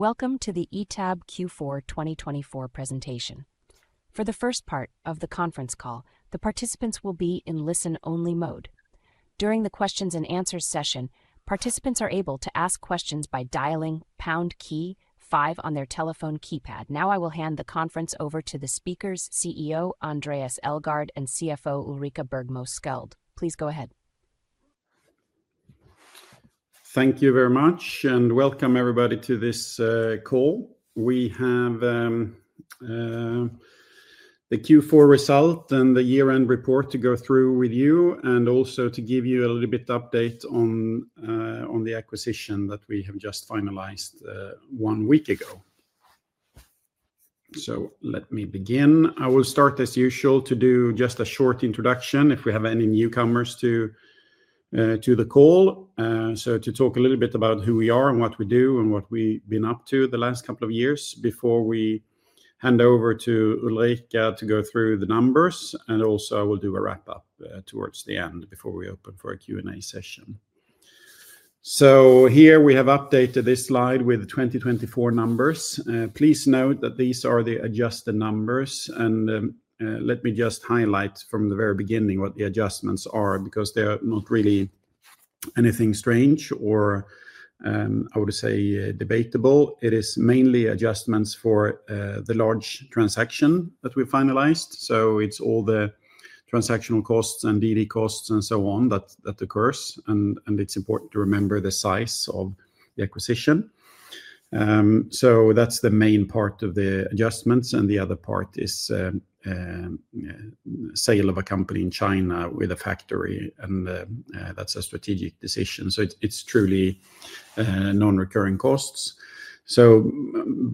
Welcome to the ITAB Q4 2024 presentation. For the first part of the conference call, the participants will be in listen-only mode. During the Q&A session, participants are able to ask questions by dialing pound key, five on their telephone keypad. Now I will hand the conference over to the speakers, CEO Andréas Elgaard and CFO Ulrika Bergmo Sköld. Please go ahead. Thank you very much, and welcome everybody to this call. We have the Q4 result and the year-end report to go through with you, and also to give you a little bit of update on the acquisition that we have just finalized one week ago, so let me begin. I will start, as usual, to do just a short introduction if we have any newcomers to the call, so to talk a little bit about who we are and what we do and what we've been up to the last couple of years before we hand over to Ulrika to go through the numbers, and also I will do a wrap-up towards the end before we open for a Q&A session, so here we have updated this slide with the 2024 numbers. Please note that these are the adjusted numbers and let me just highlight from the very beginning what the adjustments are, because they're not really anything strange or, I would say, debatable. It is mainly adjustments for the large transaction that we finalized. So, it's all the transactional costs and DD costs and so on that occurs, and it's important to remember the size of the acquisition. So that's the main part of the adjustments, and the other part is sale of a company in China with a factory, and that's a strategic decision. So, it's truly non-recurring costs. So,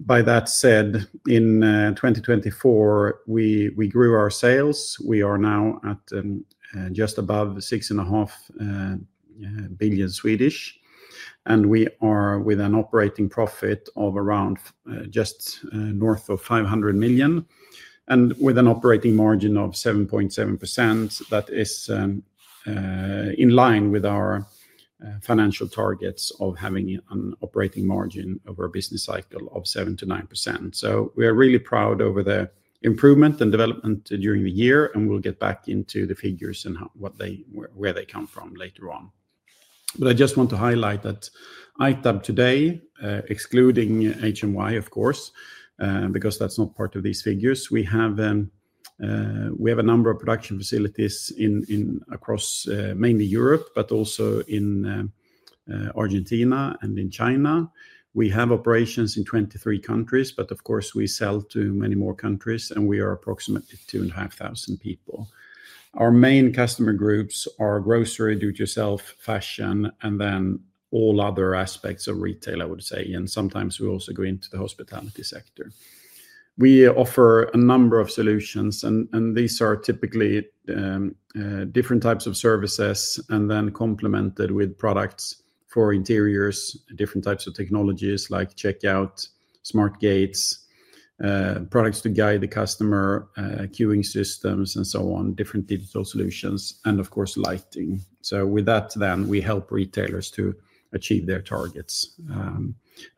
by that said, in 2024, we grew our sales. We are now at just above 6.5 billion, and we are with an operating profit of around just north of 500 million, and with an operating margin of 7.7%. That is in line with our financial targets of having an operating margin over a business cycle of 7%-9%. So we are really proud over the improvement and development during the year, and we'll get back into the figures and where they come from later on. But I just want to highlight that ITAB today, excluding HMY, of course, because that's not part of these figures, we have a number of production facilities across mainly Europe, but also in Argentina and in China. We have operations in 23 countries, but of course we sell to many more countries, and we are approximately 2,500 people. Our main customer groups are grocery, do-it-yourself, fashion, and then all other aspects of retail, I would say, and sometimes we also go into the hospitality sector. We offer a number of solutions, and these are typically different types of services, and then complemented with products for interiors, different types of technologies like checkout, smart gates, products to guide the customer, queuing systems, and so on, different digital solutions, and of course lighting. So, with that, then we help retailers to achieve their targets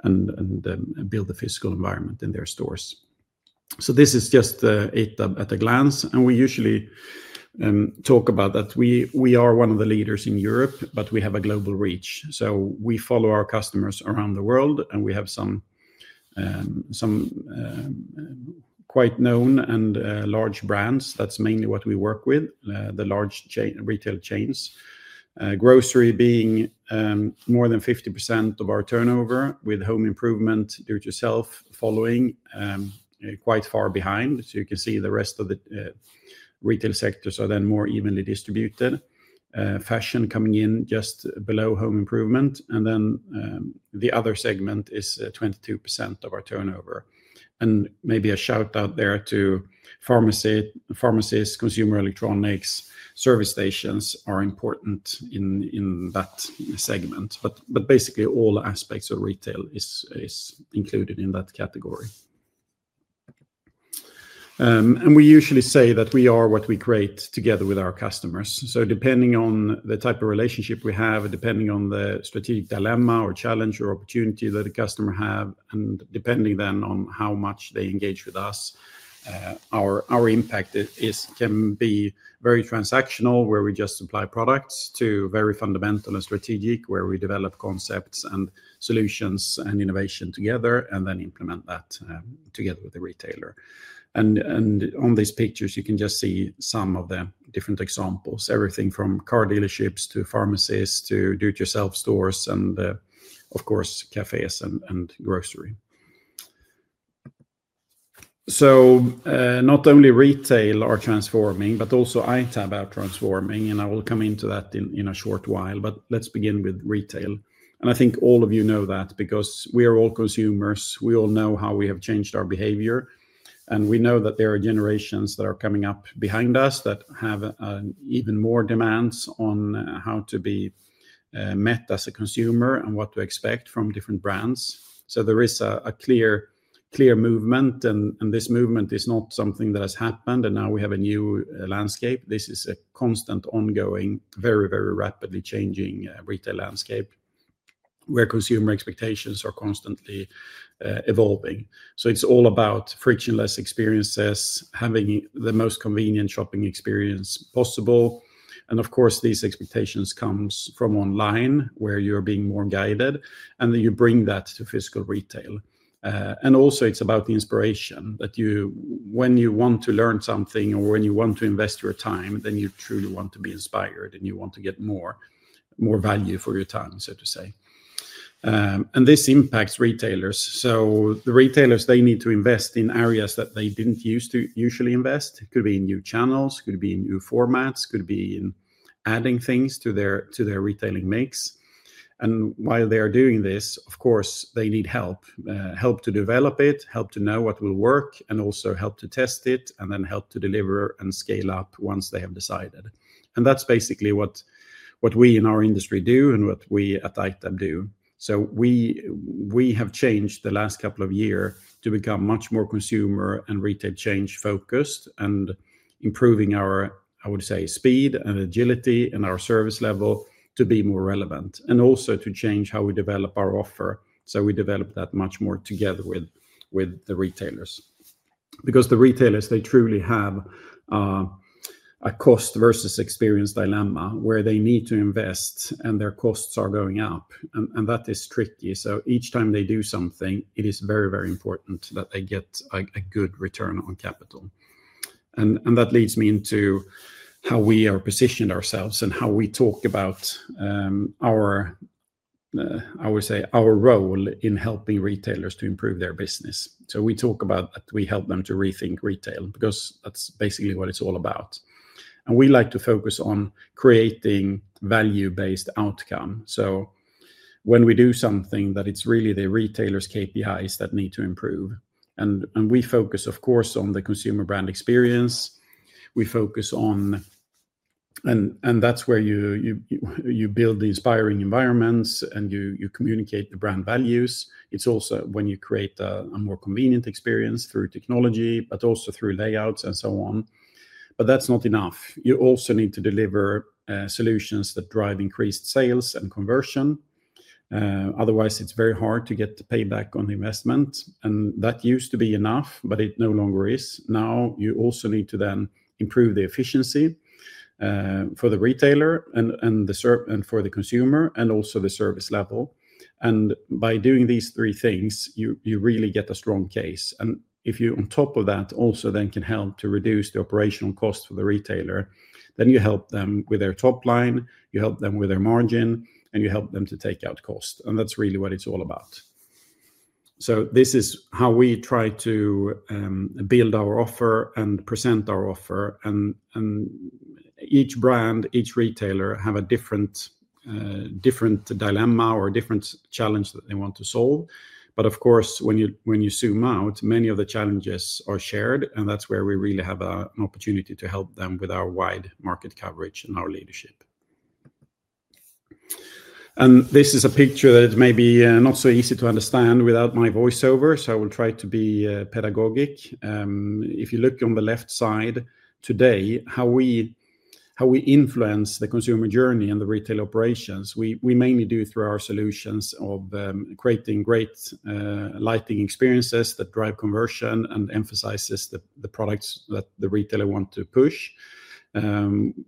and build a physical environment in their stores. So, this is just ITAB at a glance, and we usually talk about that we are one of the leaders in Europe, but we have a global reach. So, we follow our customers around the world, and we have some quite known and large brands. That's mainly what we work with, the large retail chains. Grocery being more than 50% of our turnover, with home improvement, do-it-yourself following quite far behind. You can see the rest of the retail sectors are then more evenly distributed. Fashion coming in just below home improvement, and then the other segment is 22% of our turnover. And maybe a shout-out there to pharmacies, consumer electronics, service stations are important in that segment, but basically all aspects of retail is included in that category. And we usually say that we are what we create together with our customers. So depending on the type of relationship we have, depending on the strategic dilemma or challenge or opportunity that a customer has, and depending then on how much they engage with us, our impact can be very transactional, where we just supply products, to very fundamental and strategic, where we develop concepts and solutions and innovation together, and then implement that together with the retailer. On these pictures, you can just see some of the different examples, everything from car dealerships to pharmacies to do-it-yourself stores and of course cafes and grocery. So not only retail are transforming, but also ITAB are transforming, and I will come into that in a short while, but let's begin with retail. And I think all of you know that because we are all consumers. We all know how we have changed our behavior, and we know that there are generations that are coming up behind us that have even more demands on how to be met as a consumer and what to expect from different brands. So there is a clear movement, and this movement is not something that has happened, and now we have a new landscape. This is a constant ongoing, very, very rapidly changing retail landscape where consumer expectations are constantly evolving. So it's all about frictionless experiences, having the most convenient shopping experience possible. And of course, these expectations come from online where you are being more guided, and you bring that to physical retail. And also it's about the inspiration that when you want to learn something or when you want to invest your time, then you truly want to be inspired and you want to get more value for your time, so to say. And this impacts retailers. So, the retailers, they need to invest in areas that they didn't used to usually invest. It could be in new channels, could be in new formats, could be in adding things to their retailing mix. While they are doing this, of course, they need help, help to develop it, help to know what will work, and also help to test it, and then help to deliver and scale up once they have decided. That's basically what we in our industry do and what we at ITAB do. We have changed the last couple of years to become much more consumer and retail chain focused and improving our, I would say, speed and agility and our service level to be more relevant and also to change how we develop our offer. We develop that much more together with the retailers because the retailers, they truly have a cost versus experience dilemma where they need to invest and their costs are going up, and that is tricky. So, each time they do something, it is very, very important that they get a good return on capital. And that leads me into how we are positioned ourselves and how we talk about our, I would say, our role in helping retailers to improve their business. So, we talk about that we help them to rethink retail because that's basically what it's all about. And we like to focus on creating value-based outcome. So, when we do something, that it's really the retailers' KPIs that need to improve. And we focus, of course, on the consumer brand experience. We focus on, and that's where you build the inspiring environments and you communicate the brand values. It's also when you create a more convenient experience through technology, but also through layouts and so on. But that's not enough. You also need to deliver solutions that drive increased sales and conversion. Otherwise, it's very hard to get the payback on investment, and that used to be enough, but it no longer is. Now you also need to then improve the efficiency for the retailer and for the consumer and also the service level. By doing these three things, you really get a strong case, and if you, on top of that, also then can help to reduce the operational cost for the retailer, then you help them with their top line, you help them with their margin, and you help them to take out cost, and that's really what it's all about, so this is how we try to build our offer and present our offer, and each brand, each retailer has a different dilemma or different challenge that they want to solve. But of course, when you zoom out, many of the challenges are shared, and that's where we really have an opportunity to help them with our wide market coverage and our leadership. And this is a picture that may be not so easy to understand without my voiceover, so I will try to be pedagogic. If you look on the left side today, how we influence the consumer journey and the retail operations, we mainly do through our solutions of creating great lighting experiences that drive conversion and emphasize the products that the retailer wants to push.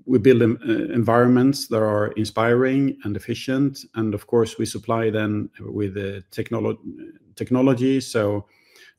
We build environments that are inspiring and efficient, and of course, we supply them with technology, so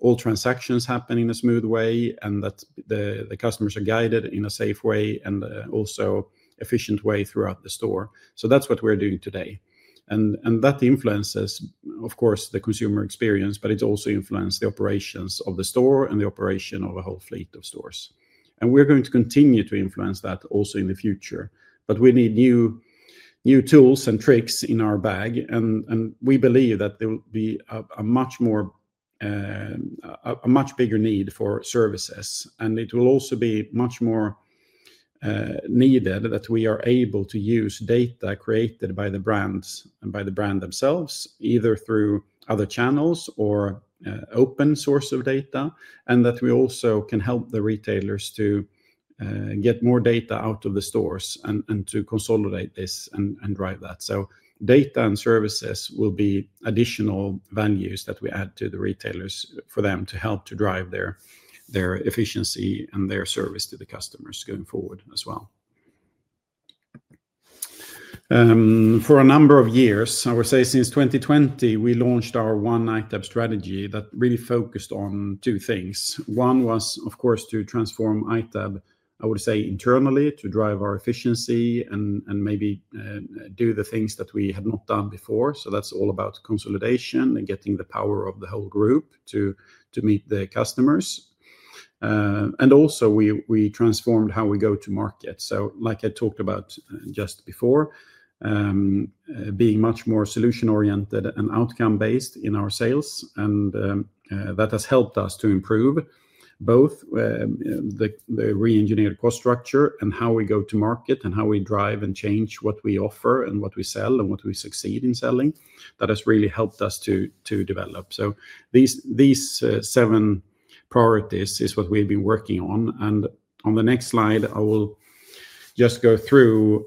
all transactions happen in a smooth way and that the customers are guided in a safe way and also efficient way throughout the store. So that's what we're doing today. And that influences, of course, the consumer experience, but it also influences the operations of the store and the operation of a whole fleet of stores. And we're going to continue to influence that also in the future, but we need new tools and tricks in our bag, and we believe that there will be a much bigger need for services. And it will also be much more needed that we are able to use data created by the brands and by the brand themselves, either through other channels or open-source data, and that we also can help the retailers to get more data out of the stores and to consolidate this and drive that. So, data and services will be additional values that we add to the retailers for them to help to drive their efficiency and their service to the customers going forward as well. For a number of years, I would say since 2020, we launched our One ITAB strategy that really focused on two things. One was, of course, to transform ITAB, I would say, internally to drive our efficiency and maybe do the things that we had not done before, so that's all about consolidation and getting the power of the whole group to meet the customers, and also we transformed how we go to market, so like I talked about just before, being much more solution-oriented and outcome-based in our sales, and that has helped us to improve both the re-engineered cost structure and how we go to market and how we drive and change what we offer and what we sell and what we succeed in selling. That has really helped us to develop, so these seven priorities is what we've been working on. And on the next slide, I will just go through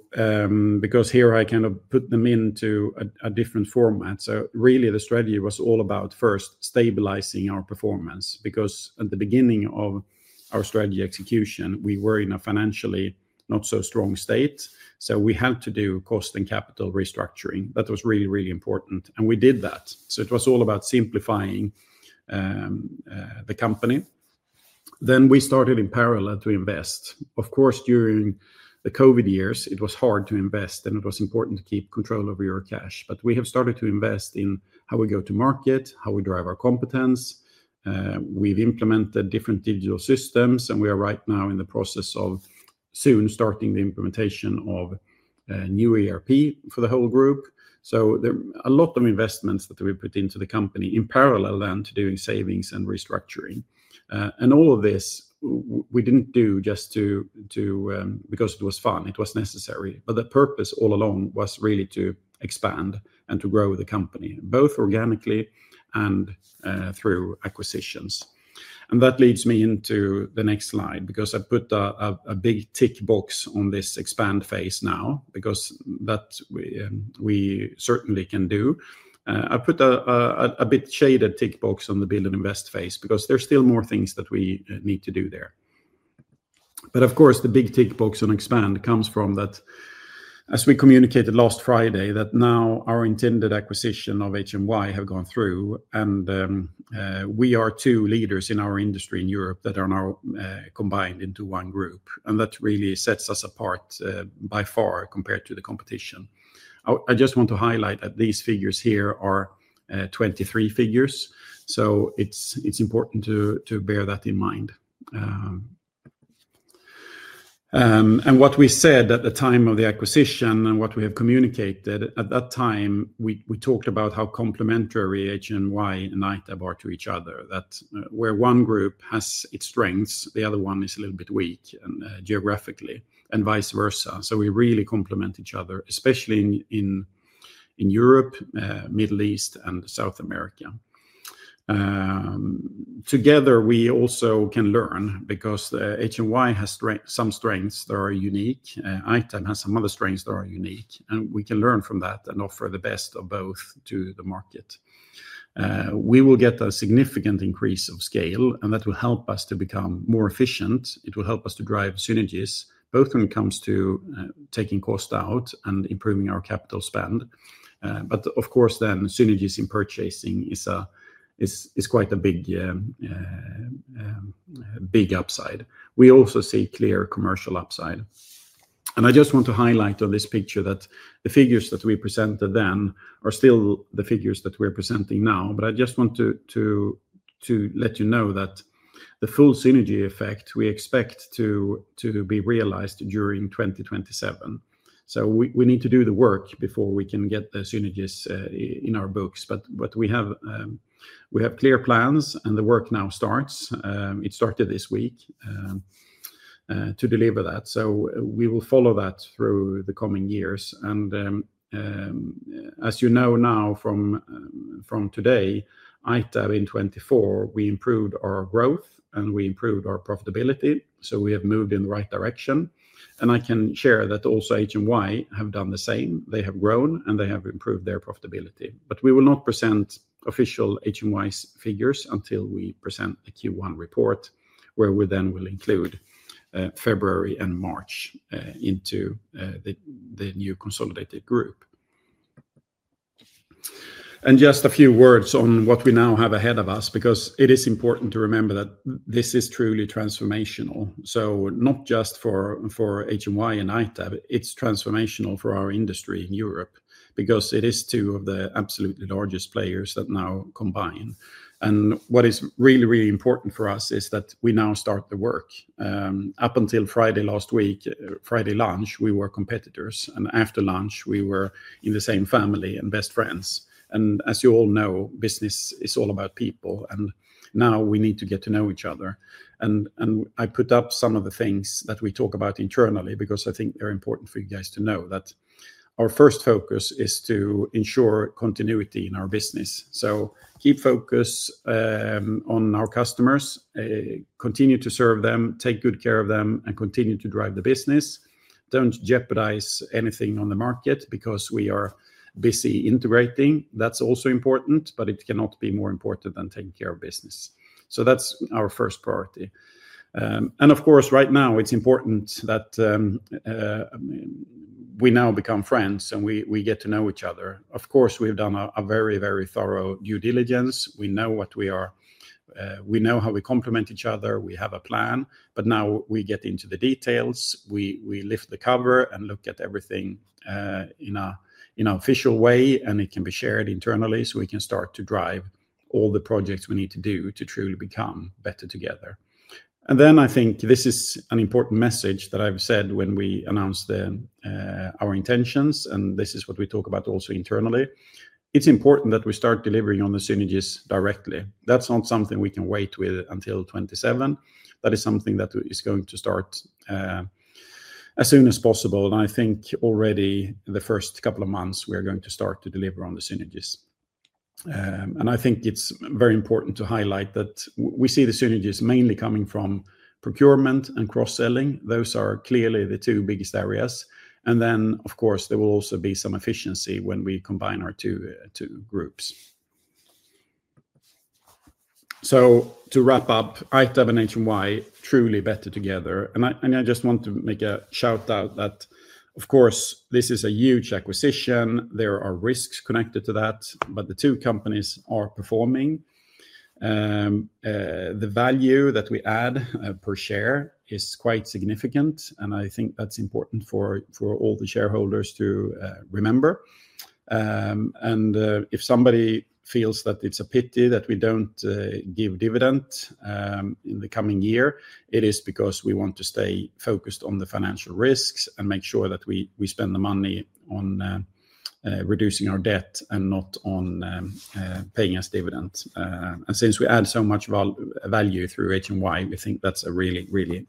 because here I kind of put them into a different format. So really the strategy was all about first stabilizing our performance because at the beginning of our strategy execution, we were in a financially not so strong state. So, we had to do cost and capital restructuring. That was really, really important, and we did that. So, it was all about simplifying the company. Then we started in parallel to invest. Of course, during the COVID years, it was hard to invest, and it was important to keep control over your cash. But we have started to invest in how we go to market, how we drive our competence. We've implemented different digital systems, and we are right now in the process of soon starting the implementation of new ERP for the whole group. There are a lot of investments that we put into the company in parallel then to doing savings and restructuring. All of this, we didn't do just because it was fun. It was necessary. The purpose all along was really to expand and to grow the company, both organically and through acquisitions. That leads me into the next slide because I put a big tick box on this expand phase now because that we certainly can do. I put a bit shaded tick box on the build and invest phase because there's still more things that we need to do there. Of course, the big tick box on expand comes from that, as we communicated last Friday, that now our intended acquisition of HMY have gone through, and we are two leaders in our industry in Europe that are now combined into one group. That really sets us apart by far compared to the competition. I just want to highlight that these figures here are 2023 figures, so it's important to bear that in mind. What we said at the time of the acquisition and what we have communicated, at that time, we talked about how complementary HMY and ITAB are to each other, that where one group has its strengths, the other one is a little bit weak geographically and vice versa. We really complement each other, especially in Europe, Middle East, and South America. Together, we also can learn because HMY has some strengths that are unique. ITAB has some other strengths that are unique, and we can learn from that and offer the best of both to the market. We will get a significant increase of scale, and that will help us to become more efficient. It will help us to drive synergies, both when it comes to taking cost out and improving our capital spend, but of course, then synergies in purchasing is quite a big upside. We also see clear commercial upside, and I just want to highlight on this picture that the figures that we presented then are still the figures that we're presenting now, but I just want to let you know that the full synergy effect we expect to be realized during 2027, so we need to do the work before we can get the synergies in our books, but we have clear plans, and the work now starts. It started this week to deliver that, so we will follow that through the coming years, and as you know now from today, ITAB in 2024, we improved our growth, and we improved our profitability. So we have moved in the right direction. And I can share that also HMY have done the same. They have grown and they have improved their profitability. But we will not present official HMY figures until we present the Q1 report where we then will include February and March into the new consolidated group. And just a few words on what we now have ahead of us because it is important to remember that this is truly transformational. So not just for HMY and ITAB, it's transformational for our industry in Europe because it is two of the absolutely largest players that now combine. And what is really, really important for us is that we now start the work. Up until Friday last week, Friday lunch, we were competitors, and after lunch, we were in the same family and best friends. And as you all know, business is all about people, and now we need to get to know each other. And I put up some of the things that we talk about internally because I think they're important for you guys to know that our first focus is to ensure continuity in our business. So keep focus on our customers, continue to serve them, take good care of them, and continue to drive the business. Don't jeopardize anything on the market because we are busy integrating. That's also important, but it cannot be more important than taking care of business. So that's our first priority. And of course, right now, it's important that we now become friends and we get to know each other. Of course, we've done a very, very thorough due diligence. We know what we are. We know how we complement each other. We have a plan, but now we get into the details. We lift the cover and look at everything in an official way, and it can be shared internally so we can start to drive all the projects we need to do to truly become better together, and then I think this is an important message that I've said when we announced our intentions, and this is what we talk about also internally. It's important that we start delivering on the synergies directly. That's not something we can wait with until 2027. That is something that is going to start as soon as possible, and I think already the first couple of months, we are going to start to deliver on the synergies, and I think it's very important to highlight that we see the synergies mainly coming from procurement and cross-selling. Those are clearly the two biggest areas. And then, of course, there will also be some efficiency when we combine our two groups. So to wrap up, ITAB and HMY truly better together. And I just want to make a shout-out that, of course, this is a huge acquisition. There are risks connected to that, but the two companies are performing. The value that we add per share is quite significant, and I think that's important for all the shareholders to remember. And if somebody feels that it's a pity that we don't give dividends in the coming year, it is because we want to stay focused on the financial risks and make sure that we spend the money on reducing our debt and not on paying us dividends. And since we add so much value through HMY, we think that's a really, really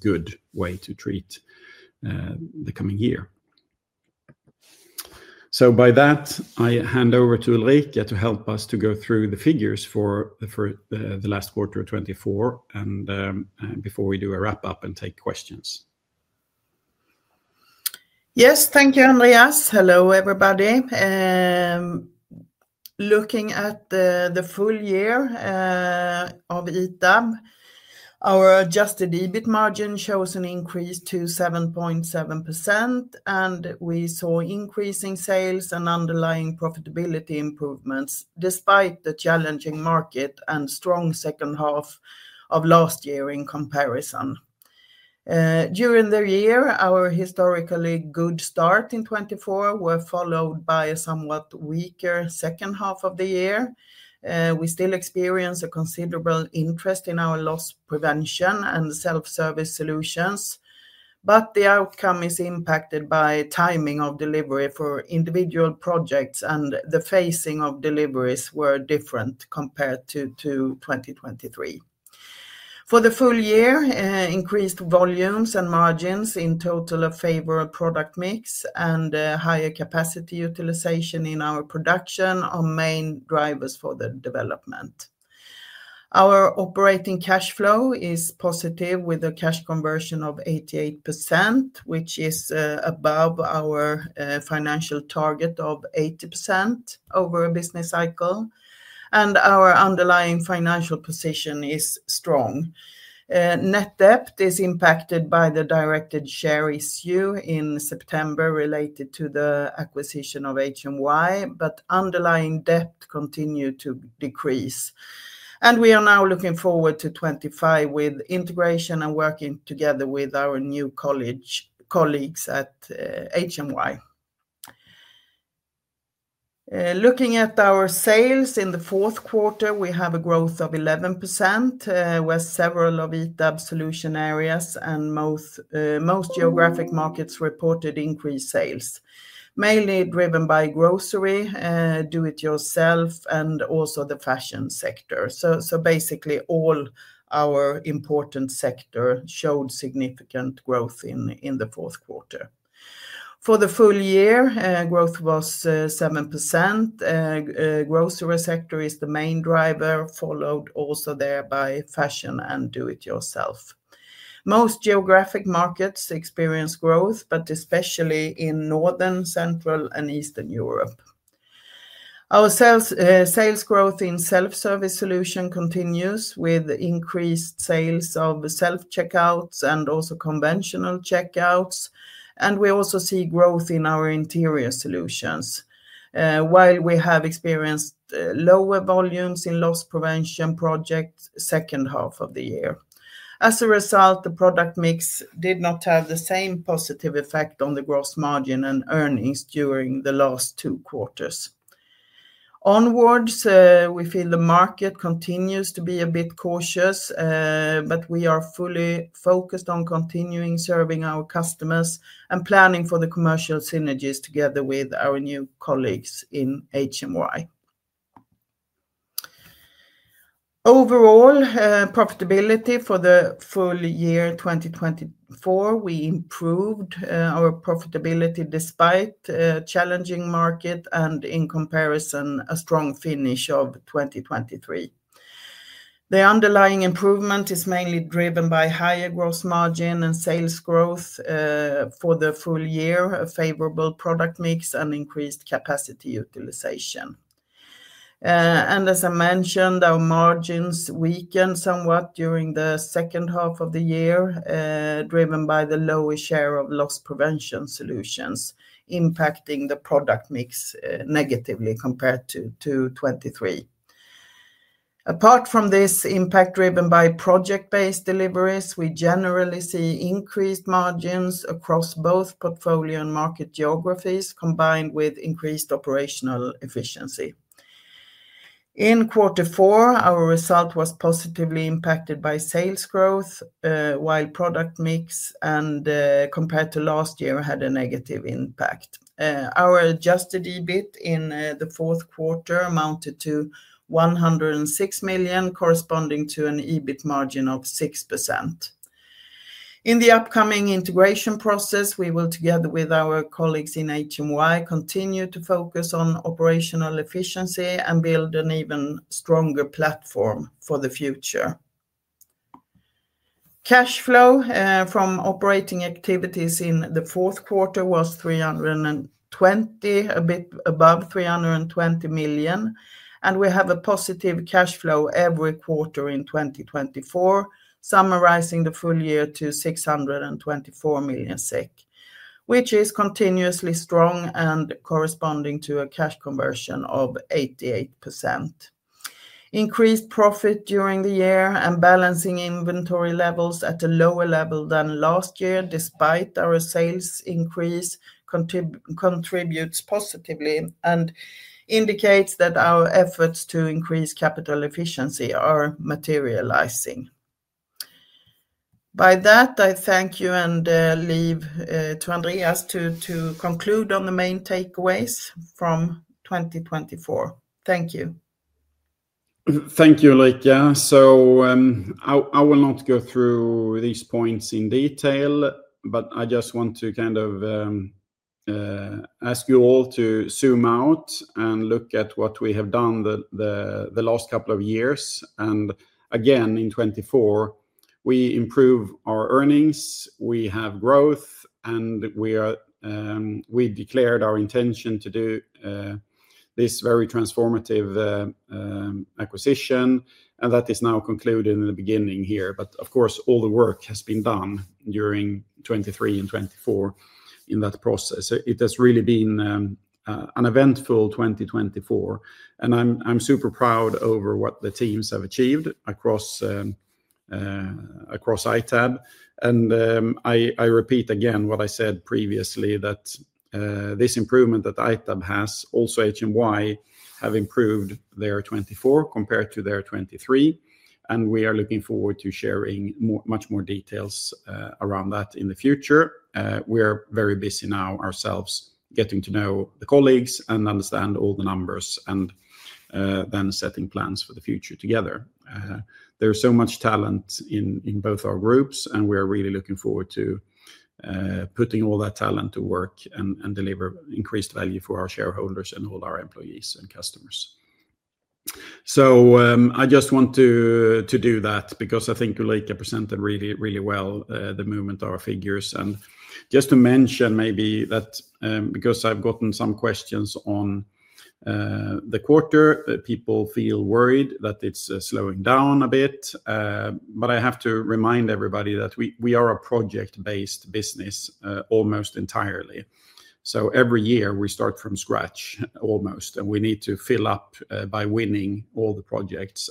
good way to treat the coming year. By that, I hand over to Ulrika to help us go through the figures for the last quarter of 2024 and before we do a wrap-up and take questions. Yes, thank you, Andréas. Hello, everybody. Looking at the full year of ITAB, our adjusted EBIT margin shows an increase to 7.7%, and we saw increasing sales and underlying profitability improvements despite the challenging market and strong second half of last year in comparison. During the year, our historically good start in 2024 was followed by a somewhat weaker second half of the year. We still experience a considerable interest in our loss prevention and self-service solutions, but the outcome is impacted by timing of delivery for individual projects, and the phasing of deliveries were different compared to 2023. For the full year, increased volumes and margins in total of favorable product mix and higher capacity utilization in our production are main drivers for the development. Our operating cash flow is positive with a cash conversion of 88%, which is above our financial target of 80% over a business cycle, and our underlying financial position is strong. Net debt is impacted by the directed share issue in September related to the acquisition of HMY, but underlying debt continued to decrease, and we are now looking forward to 2025 with integration and working together with our new colleagues at HMY. Looking at our sales in the Q4, we have a growth of 11% with several of ITAB solution areas, and most geographic markets reported increased sales, mainly driven by grocery, do-it-yourself, and also the fashion sector, so basically, all our important sectors showed significant growth in the Q4. For the full year, growth was 7%. Grocery sector is the main driver, followed also there by fashion and do-it-yourself. Most geographic markets experienced growth, but especially in Northern, Central, and Eastern Europe. Our sales growth in self-service solutions continues with increased sales of self-checkouts and also conventional checkouts. And we also see growth in our interior solutions, while we have experienced lower volumes in loss prevention projects second half of the year. As a result, the product mix did not have the same positive effect on the gross margin and earnings during the last two quarters. Onwards, we feel the market continues to be a bit cautious, but we are fully focused on continuing serving our customers and planning for the commercial synergies together with our new colleagues in HMY. Overall profitability for the full year 2024, we improved our profitability despite a challenging market and in comparison, a strong finish of 2023. The underlying improvement is mainly driven by higher gross margin and sales growth for the full year, a favorable product mix, and increased capacity utilization, and as I mentioned, our margins weakened somewhat during the second half of the year, driven by the lower share of loss prevention solutions, impacting the product mix negatively compared to 2023. Apart from this impact driven by project-based deliveries, we generally see increased margins across both portfolio and market geographies, combined with increased operational efficiency. In quarter four, our result was positively impacted by sales growth, while product mix and compared to last year had a negative impact. Our adjusted EBIT in the Q4 amounted to 106 million, corresponding to an EBIT margin of 6%. In the upcoming integration process, we will, together with our colleagues in HMY, continue to focus on operational efficiency and build an even stronger platform for the future. Cash flow from operating activities in the Q4 was 320 million, a bit above 320 million, and we have a positive cash flow every quarter in 2024, summarizing the full year to 624 million SEK, which is continuously strong and corresponding to a cash conversion of 88%. Increased profit during the year and balancing inventory levels at a lower level than last year, despite our sales increase, contributes positively and indicates that our efforts to increase capital efficiency are materializing. By that, I thank you and leave to Andréas to conclude on the main takeaways from 2024. Thank you. Thank you, Ulrika. So, I will not go through these points in detail, but I just want to kind of ask you all to zoom out and look at what we have done the last couple of years. And again, in 2024, we improve our earnings, we have growth, and we declared our intention to do this very transformative acquisition, and that is now concluded in the beginning here. But of course, all the work has been done during 2023 and 2024 in that process. It has really been an eventful 2024, and I'm super proud over what the teams have achieved across ITAB. And I repeat again what I said previously that this improvement that ITAB has, also HMY, have improved their 2024 compared to their 2023, and we are looking forward to sharing much more details around that in the future. We are very busy now ourselves getting to know the colleagues and understand all the numbers and then setting plans for the future together. There's so much talent in both our groups, and we are really looking forward to putting all that talent to work and deliver increased value for our shareholders and all our employees and customers. So, I just want to do that because I think Ulrika presented really, really well the movement of our figures. And just to mention maybe that because I've gotten some questions on the quarter, people feel worried that it's slowing down a bit, but I have to remind everybody that we are a project-based business almost entirely. So, every year, we start from scratch almost, and we need to fill up by winning all the projects.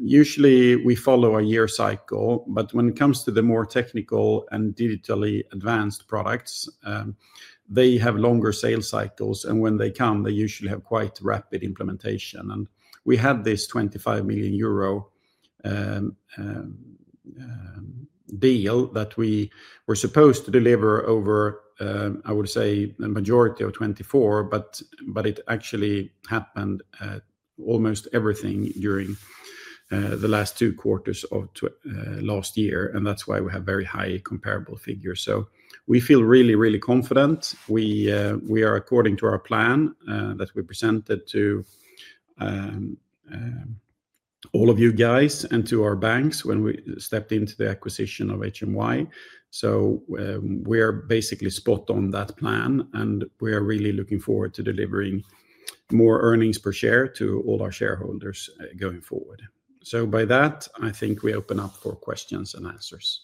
Usually, we follow a year cycle, but when it comes to the more technical and digitally advanced products, they have longer sales cycles, and when they come, they usually have quite rapid implementation. We had this EUR 25 million deal that we were supposed to deliver over, I would say, the majority of 2024, but it actually happened almost everything during the last two quarters of last year, and that's why we have very high comparable figures. We feel really, really confident. We are, according to our plan that we presented to all of you guys and to our banks when we stepped into the acquisition of HMY. We are basically spot on that plan, and we are really looking forward to delivering more earnings per share to all our shareholders going forward. By that, I think we open up for questions and answers.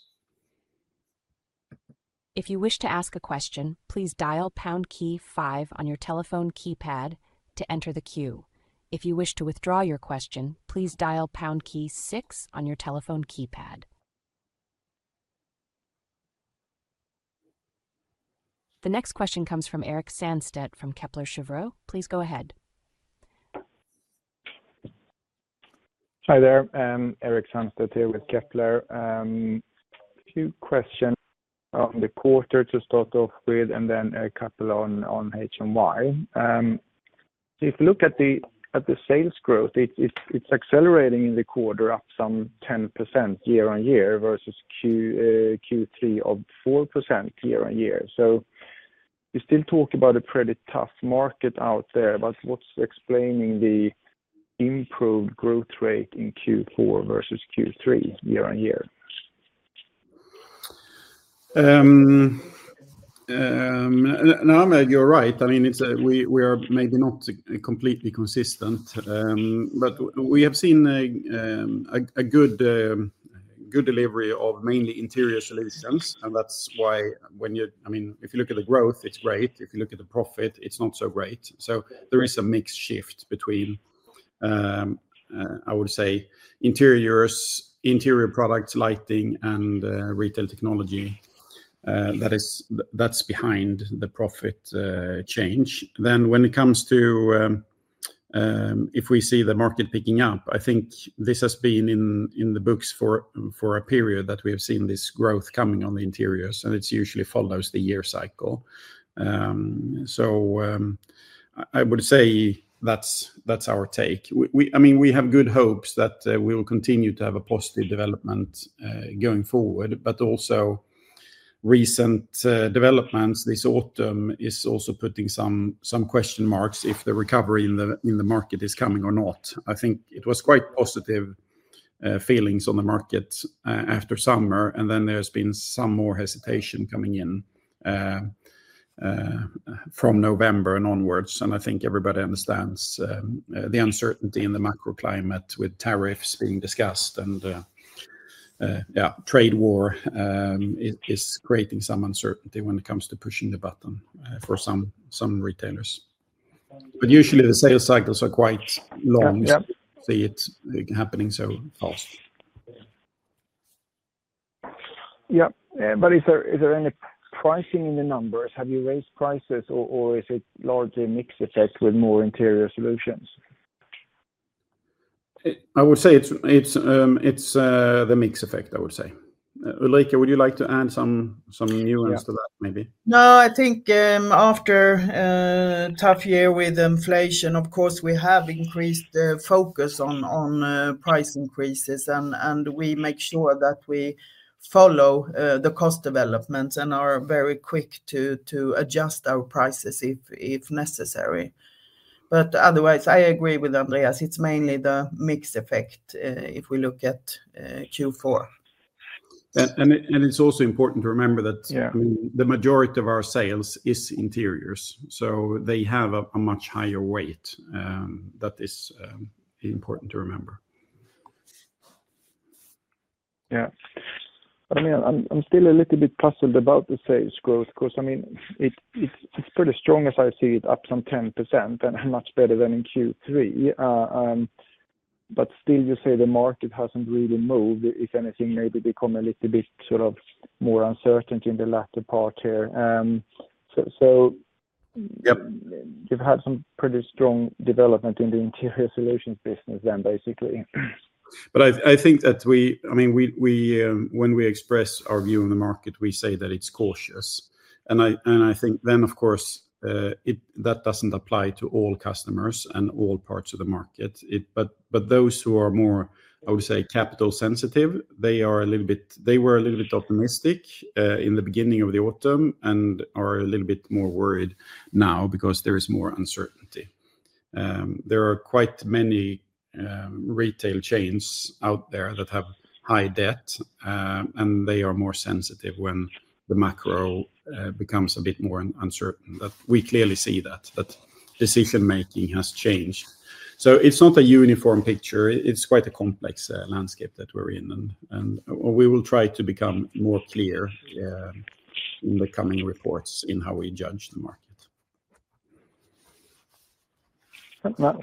If you wish to ask a question, please dial pound key five on your telephone keypad to enter the queue. If you wish to withdraw your question, please dial pound key six on your telephone keypad. The next question comes from Erik Sandstedt from Kepler Cheuvreux. Please go ahead. Hi there. Erik Sandstedt here with Kepler. A few questions on the quarter to start off with and then a couple on HMY. If you look at the sales growth, it's accelerating in the quarter up some 10% year on year versus Q3 of 4% year on year. So we still talk about a pretty tough market out there, but what's explaining the improved growth rate in Q4 versus Q3 year on year? No, you're right. I mean, we are maybe not completely consistent, but we have seen a good delivery of mainly interior solutions, and that's why when you—I mean, if you look at the growth, it's great. If you look at the profit, it's not so great. So, there is a mixed shift between, I would say, interior products, lighting, and retail technology that's behind the profit change. Then when it comes to if we see the market picking up, I think this has been in the books for a period that we have seen this growth coming on the interiors, and it usually follows the year cycle. So, I would say that's our take. I mean, we have good hopes that we will continue to have a positive development going forward. But also, recent developments this autumn are also putting some question marks if the recovery in the market is coming or not. I think it was quite positive feelings on the market after summer, and then there has been some more hesitation coming in from November and onward. And I think everybody understands the uncertainty in the macroclimate with tariffs being discussed and, yeah, trade war is creating some uncertainty when it comes to pushing the button for some retailers. But usually, the sales cycles are quite long. See it happening so fast. Yeah. But is there any pricing in the numbers? Have you raised prices, or is it largely a mixed effect with more interior solutions? I would say it's the mixed effect, I would say. Ulrika, would you like to add some nuance to that maybe? No, I think after a tough year with inflation, of course, we have increased the focus on price increases, and we make sure that we follow the cost developments and are very quick to adjust our prices if necessary. But otherwise, I agree with Andréas. It's mainly the mixed effect if we look at Q4. And it's also important to remember that the majority of our sales is interiors, so they have a much higher weight. That is important to remember. Yeah. I mean, I'm still a little bit puzzled about the sales growth because, I mean, it's pretty strong as I see it, up some 10% and much better than in Q3. But still, you say the market hasn't really moved. If anything, maybe become a little bit sort of more uncertain in the latter part here. So you've had some pretty strong development in the Interior Solutions business then, basically. But I think that we, I mean, when we express our view on the market, we say that it's cautious. And I think then, of course, that doesn't apply to all customers and all parts of the market. But those who are more, I would say, capital sensitive, they were a little bit optimistic in the beginning of the autumn and are a little bit more worried now because there is more uncertainty. There are quite many retail chains out there that have high debt, and they are more sensitive when the macro becomes a bit more uncertain. We clearly see that, that decision-making has changed. So, it's not a uniform picture. It's quite a complex landscape that we're in, and we will try to become more clear in the coming reports in how we judge the market.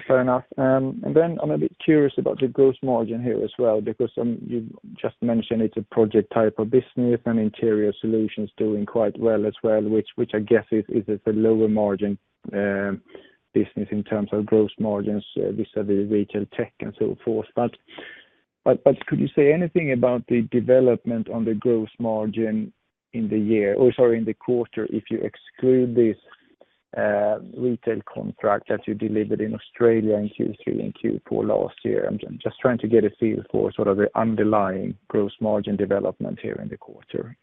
Fair enough. And then I'm a bit curious about the gross margin here as well because you just mentioned it's a project type of business and interior solutions doing quite well as well, which I guess is a lower margin business in terms of gross margins vis-à-vis retail tech and so forth. But could you say anything about the development on the gross margin in the year, sorry, in the quarter if you exclude this retail contract that you delivered in Australia in Q3 and Q4 last year? I'm just trying to get a feel for sort of the underlying gross margin development here in the quarter.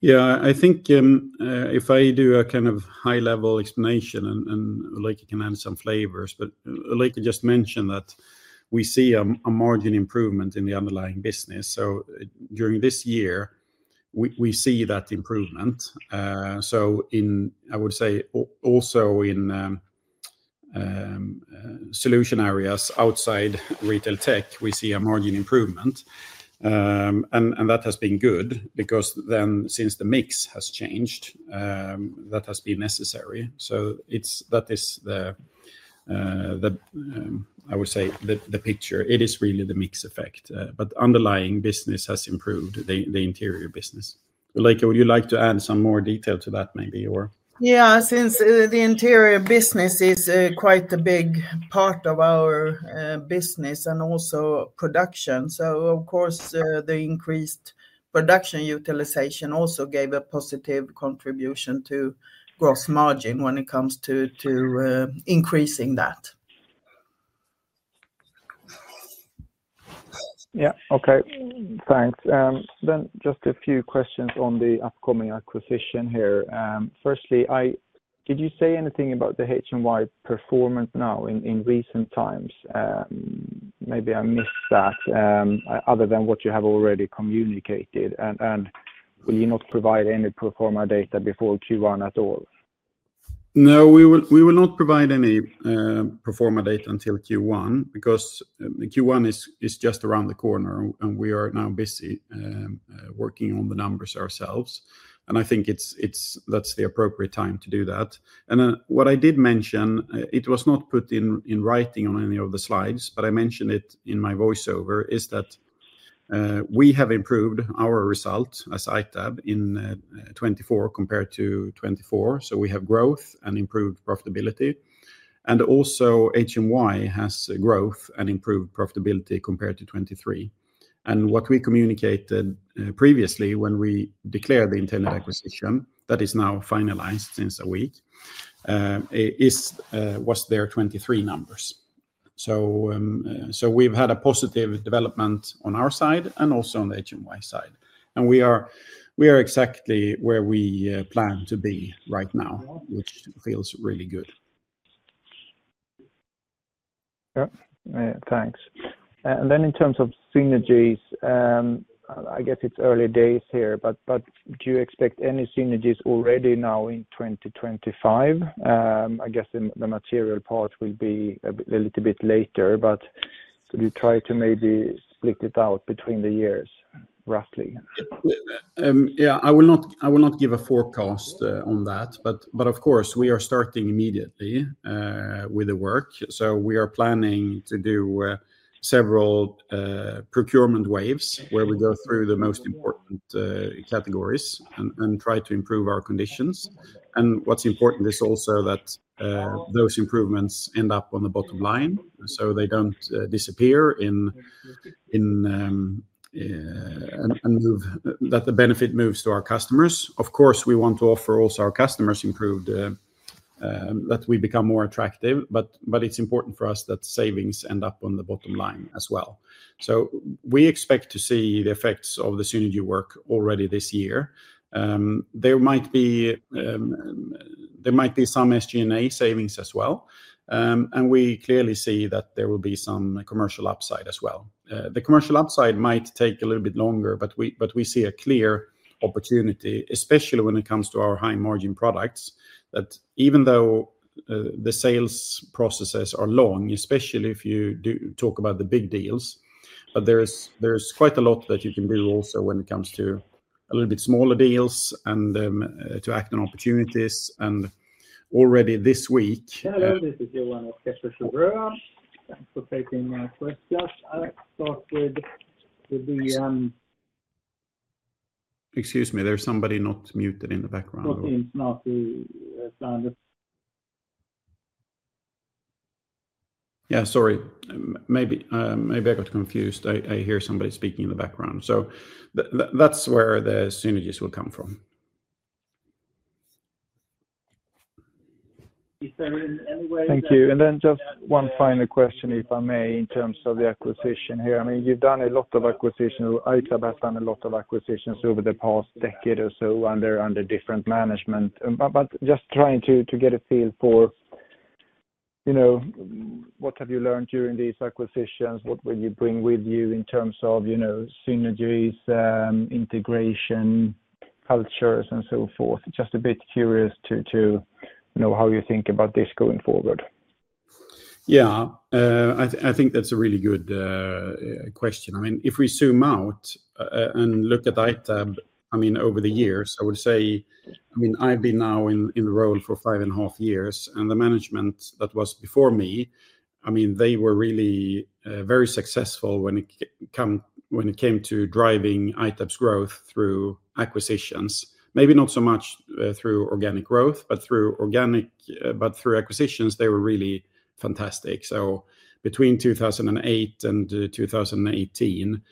Yeah, I think if I do a kind of high-level explanation and Ulrika can add some flavors, but Ulrika just mentioned that we see a margin improvement in the underlying business. So, during this year, we see that improvement. So, I would say also in solution areas outside retail tech, we see a margin improvement. And that has been good because then since the mix has changed, that has been necessary. So that is the, I would say, the picture. It is really the mixed effect, but underlying business has improved, the interior business. Ulrika, would you like to add some more detail to that maybe, or? Yeah. Since the interior business is quite a big part of our business and also production. So of course, the increased production utilization also gave a positive contribution to gross margin when it comes to increasing that. Yeah. Okay, thanks, just a few questions on the upcoming acquisition here. Firstly, did you say anything about the HMY performance now in recent times? Maybe I missed that other than what you have already communicated. And will you not provide any pro forma data before Q1 at all? No, we will not provide any pro forma data until Q1 because Q1 is just around the corner, and we are now busy working on the numbers ourselves. And I think that's the appropriate time to do that. And what I did mention, it was not put in writing on any of the slides, but I mentioned it in my voiceover, is that we have improved our result as ITAB in 2024 compared to 2024. So, we have growth and improved profitability. And also, HMY has growth and improved profitability compared to 2023. And what we communicated previously when we declared the intended acquisition that is now finalized since a week was their 2023 numbers. So, we've had a positive development on our side and also on the HMY side. And we are exactly where we plan to be right now, which feels really good. Yeah. Thanks. And then in terms of synergies, I guess it's early days here, but do you expect any synergies already now in 2025? I guess the material part will be a little bit later, but could you try to maybe split it out between the years roughly? Yeah. I will not give a forecast on that, but of course, we are starting immediately with the work. So we are planning to do several procurement waves where we go through the most important categories and try to improve our conditions. And what's important is also that those improvements end up on the bottom line so they don't disappear and that the benefit moves to our customers. Of course, we want to offer also our customers improvements that we become more attractive, but it's important for us that savings end up on the bottom line as well. So we expect to see the effects of the synergy work already this year. There might be some SG&A savings as well. And we clearly see that there will be some commercial upside as well. The commercial upside might take a little bit longer, but we see a clear opportunity, especially when it comes to our high-margin products, that even though the sales processes are long, especially if you talk about the big deals, but there's quite a lot that you can do also when it comes to a little bit smaller deals and to act on opportunities. And already this week. Hello. This is Johan of Kepler Cheuvreux. Thanks for taking my questions. Excuse me. There's somebody not muted in the background. Yeah. Sorry. Maybe I got confused. I hear somebody speaking in the background. So that's where the synergies will come from. Thank you. And then just one final question, if I may, in terms of the acquisition here. I mean, you've done a lot of acquisitions. ITAB has done a lot of acquisitions over the past decade or so under different management. But just trying to get a feel for what have you learned during these acquisitions? What will you bring with you in terms of synergies, integration, cultures, and so forth? Just a bit curious to know how you think about this going forward. Yeah. I think that's a really good question. I mean, if we zoom out and look at ITAB, I mean, over the years, I would say, I mean, I've been now in the role for five and a half years, and the management that was before me, I mean, they were really very successful when it came to driving ITAB's growth through acquisitions. Maybe not so much through organic growth, but through acquisitions, they were really fantastic. So between 2008 and 2018,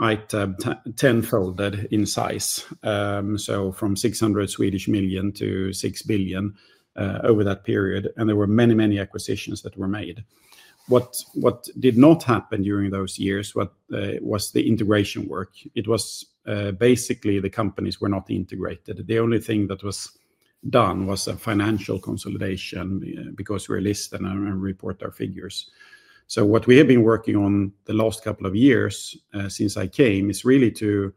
ITAB tenfolded in size. From 600 million to 6 billion over that period. There were many, many acquisitions that were made. What did not happen during those years was the integration work. It was basically the companies were not integrated. The only thing that was done was a financial consolidation because we're listed and report our figures. What we have been working on the last couple of years since I came is really to,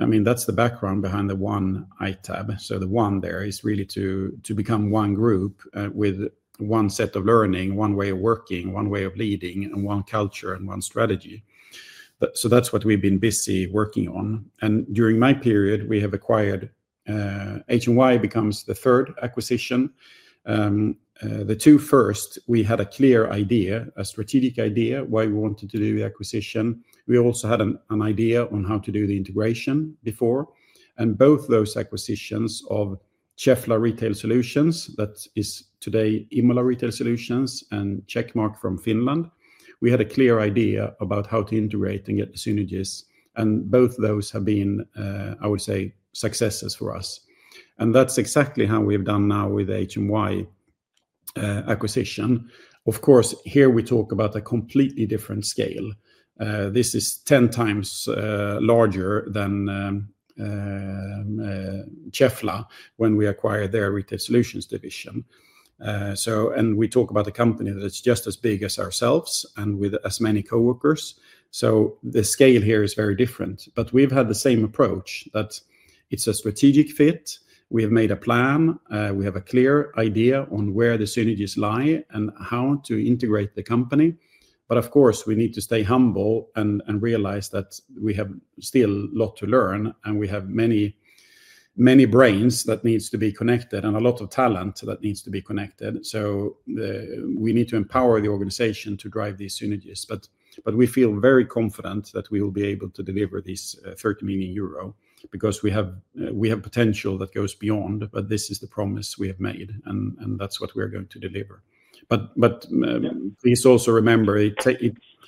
I mean, that's the background behind the One ITAB. The one there is really to become one group with one set of learning, one way of working, one way of leading, and one culture and one strategy. That's what we've been busy working on. During my period, we have acquired HMY, [it] becomes the third acquisition. The two first, we had a clear idea, a strategic idea why we wanted to do the acquisition. We also had an idea on how to do the integration before. And both those acquisitions of Cefla Retail Solutions, that is today Imola Retail Solutions, and Checkmark from Finland, we had a clear idea about how to integrate and get the synergies. And both those have been, I would say, successes for us. And that's exactly how we've done now with the HMY acquisition. Of course, here we talk about a completely different scale. This is 10 times larger than Cefla when we acquired their retail solutions division. And we talk about a company that's just as big as ourselves and with as many coworkers. So the scale here is very different. But we've had the same approach that it's a strategic fit. We have made a plan. We have a clear idea on where the synergies lie and how to integrate the company. But of course, we need to stay humble and realize that we have still a lot to learn, and we have many brains that need to be connected and a lot of talent that needs to be connected. So we need to empower the organization to drive these synergies. But we feel very confident that we will be able to deliver these 30 million euro because we have potential that goes beyond. But this is the promise we have made, and that's what we are going to deliver. But please also remember,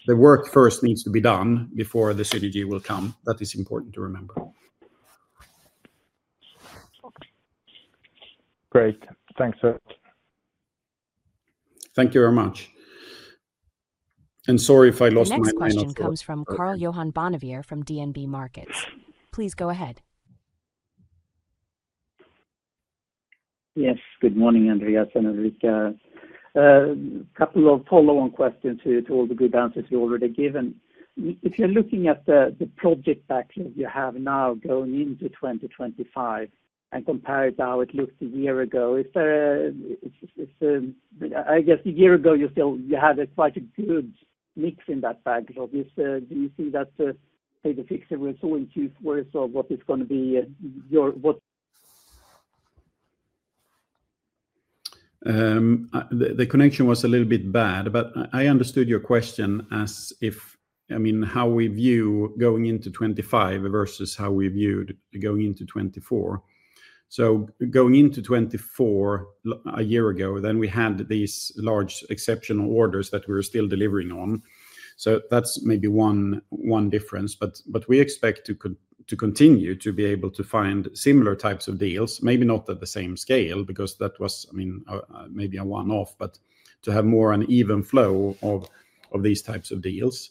the work first needs to be done before the synergy will come. That is important to remember. Great. Thanks, sir. Thank you very much. And sorry if I lost my connection. Next question comes from Karl-Johan Bonnevier from DNB Markets. Please go ahead. Yes. Good morning, Andréas and Ulrika. A couple of follow-on questions to all the good answers you already given. If you're looking at the project backlog you have now going into 2025 and compare it to how it looked a year ago, is there, I guess, a year ago, you had quite a good mix in that backlog. Do you see that, say, the fittings was all in Q4, so what is going to be your? The connection was a little bit bad, but I understood your question as if, I mean, how we view going into 2025 versus how we viewed going into 2024. So going into 2024 a year ago, then we had these large exceptional orders that we were still delivering on. So that's maybe one difference. But we expect to continue to be able to find similar types of deals, maybe not at the same scale because that was, I mean, maybe a one-off, but to have more an even flow of these types of deals.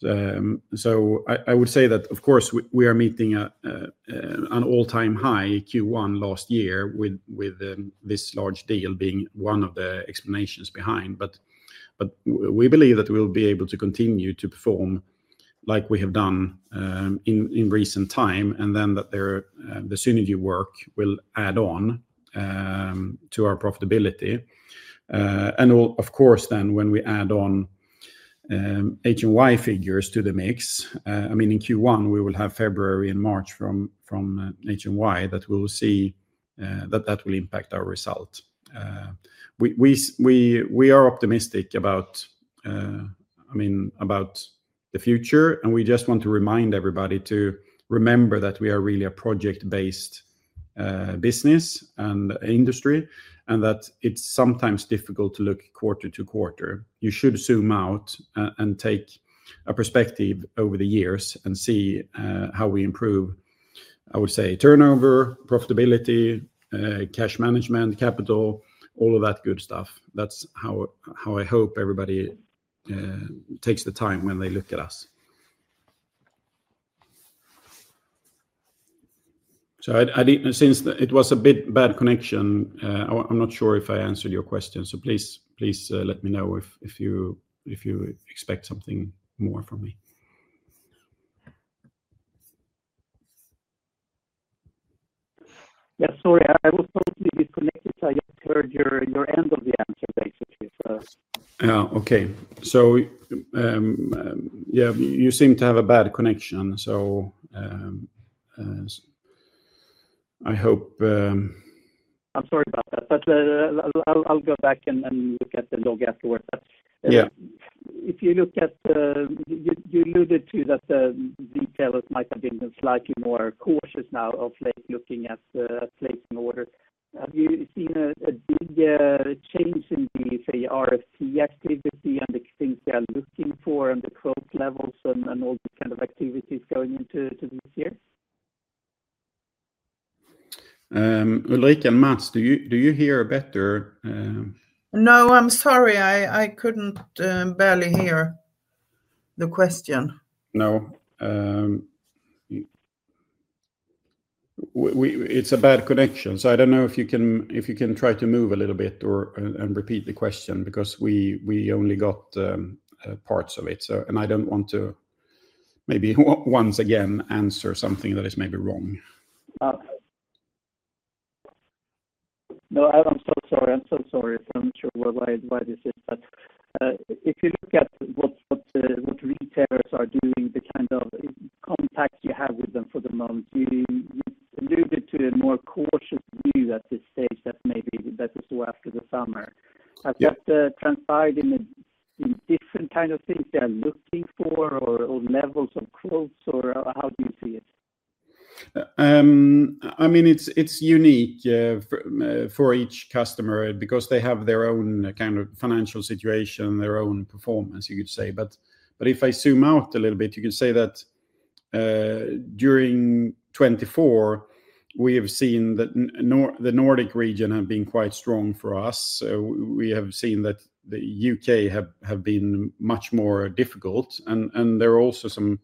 So, I would say that, of course, we are meeting an all-time high Q1 last year with this large deal being one of the explanations behind. But we believe that we'll be able to continue to perform like we have done in recent time, and then that the synergy work will add on to our profitability. And of course, then when we add on HMY figures to the mix, I mean, in Q1, we will have February and March from HMY that we will see that that will impact our result. We are optimistic about, I mean, about the future, and we just want to remind everybody to remember that we are really a project-based business and industry and that it's sometimes difficult to look quarter to quarter. You should zoom out and take a perspective over the years and see how we improve, I would say, turnover, profitability, cash management, capital, all of that good stuff. That's how I hope everybody takes the time when they look at us. So since it was a bit bad connection, I'm not sure if I answered your question, so please let me know if you expect something more from me. Yeah. Sorry, I was trying to disconnect it. I just heard your end of the answer, basically, so. Yeah. Okay. So yeah, you seem to have a bad connection, so I hope. I'm sorry about that, but I'll go back and look at the log afterwards. If you look at, you alluded to that the retailers might have been slightly more cautious now of looking at placing orders. Have you seen a big change in the, say, RFP activity and the things they're looking for and the quote levels and all these kinds of activities going into this year? Ulrika, Mats, do you hear better? No, I'm sorry. I couldn't barely hear the question. No. It's a bad connection. So I don't know if you can try to move a little bit and repeat the question because we only got parts of it, and I don't want to maybe once again answer something that is maybe wrong. No, I'm so sorry. I'm so sorry. I'm not sure what my advice is. But if you look at what retailers are doing, the kind of contact you have with them for the moment, you alluded to a more cautious view at this stage that maybe that is so after the summer. Has that transpired in different kind of things they're looking for or levels of quotes, or how do you see it? I mean, it's unique for each customer because they have their own kind of financial situation, their own performance, you could say. But if I zoom out a little bit, you could say that during 2024, we have seen that the Nordic region has been quite strong for us. We have seen that the UK have been much more difficult. There are also some,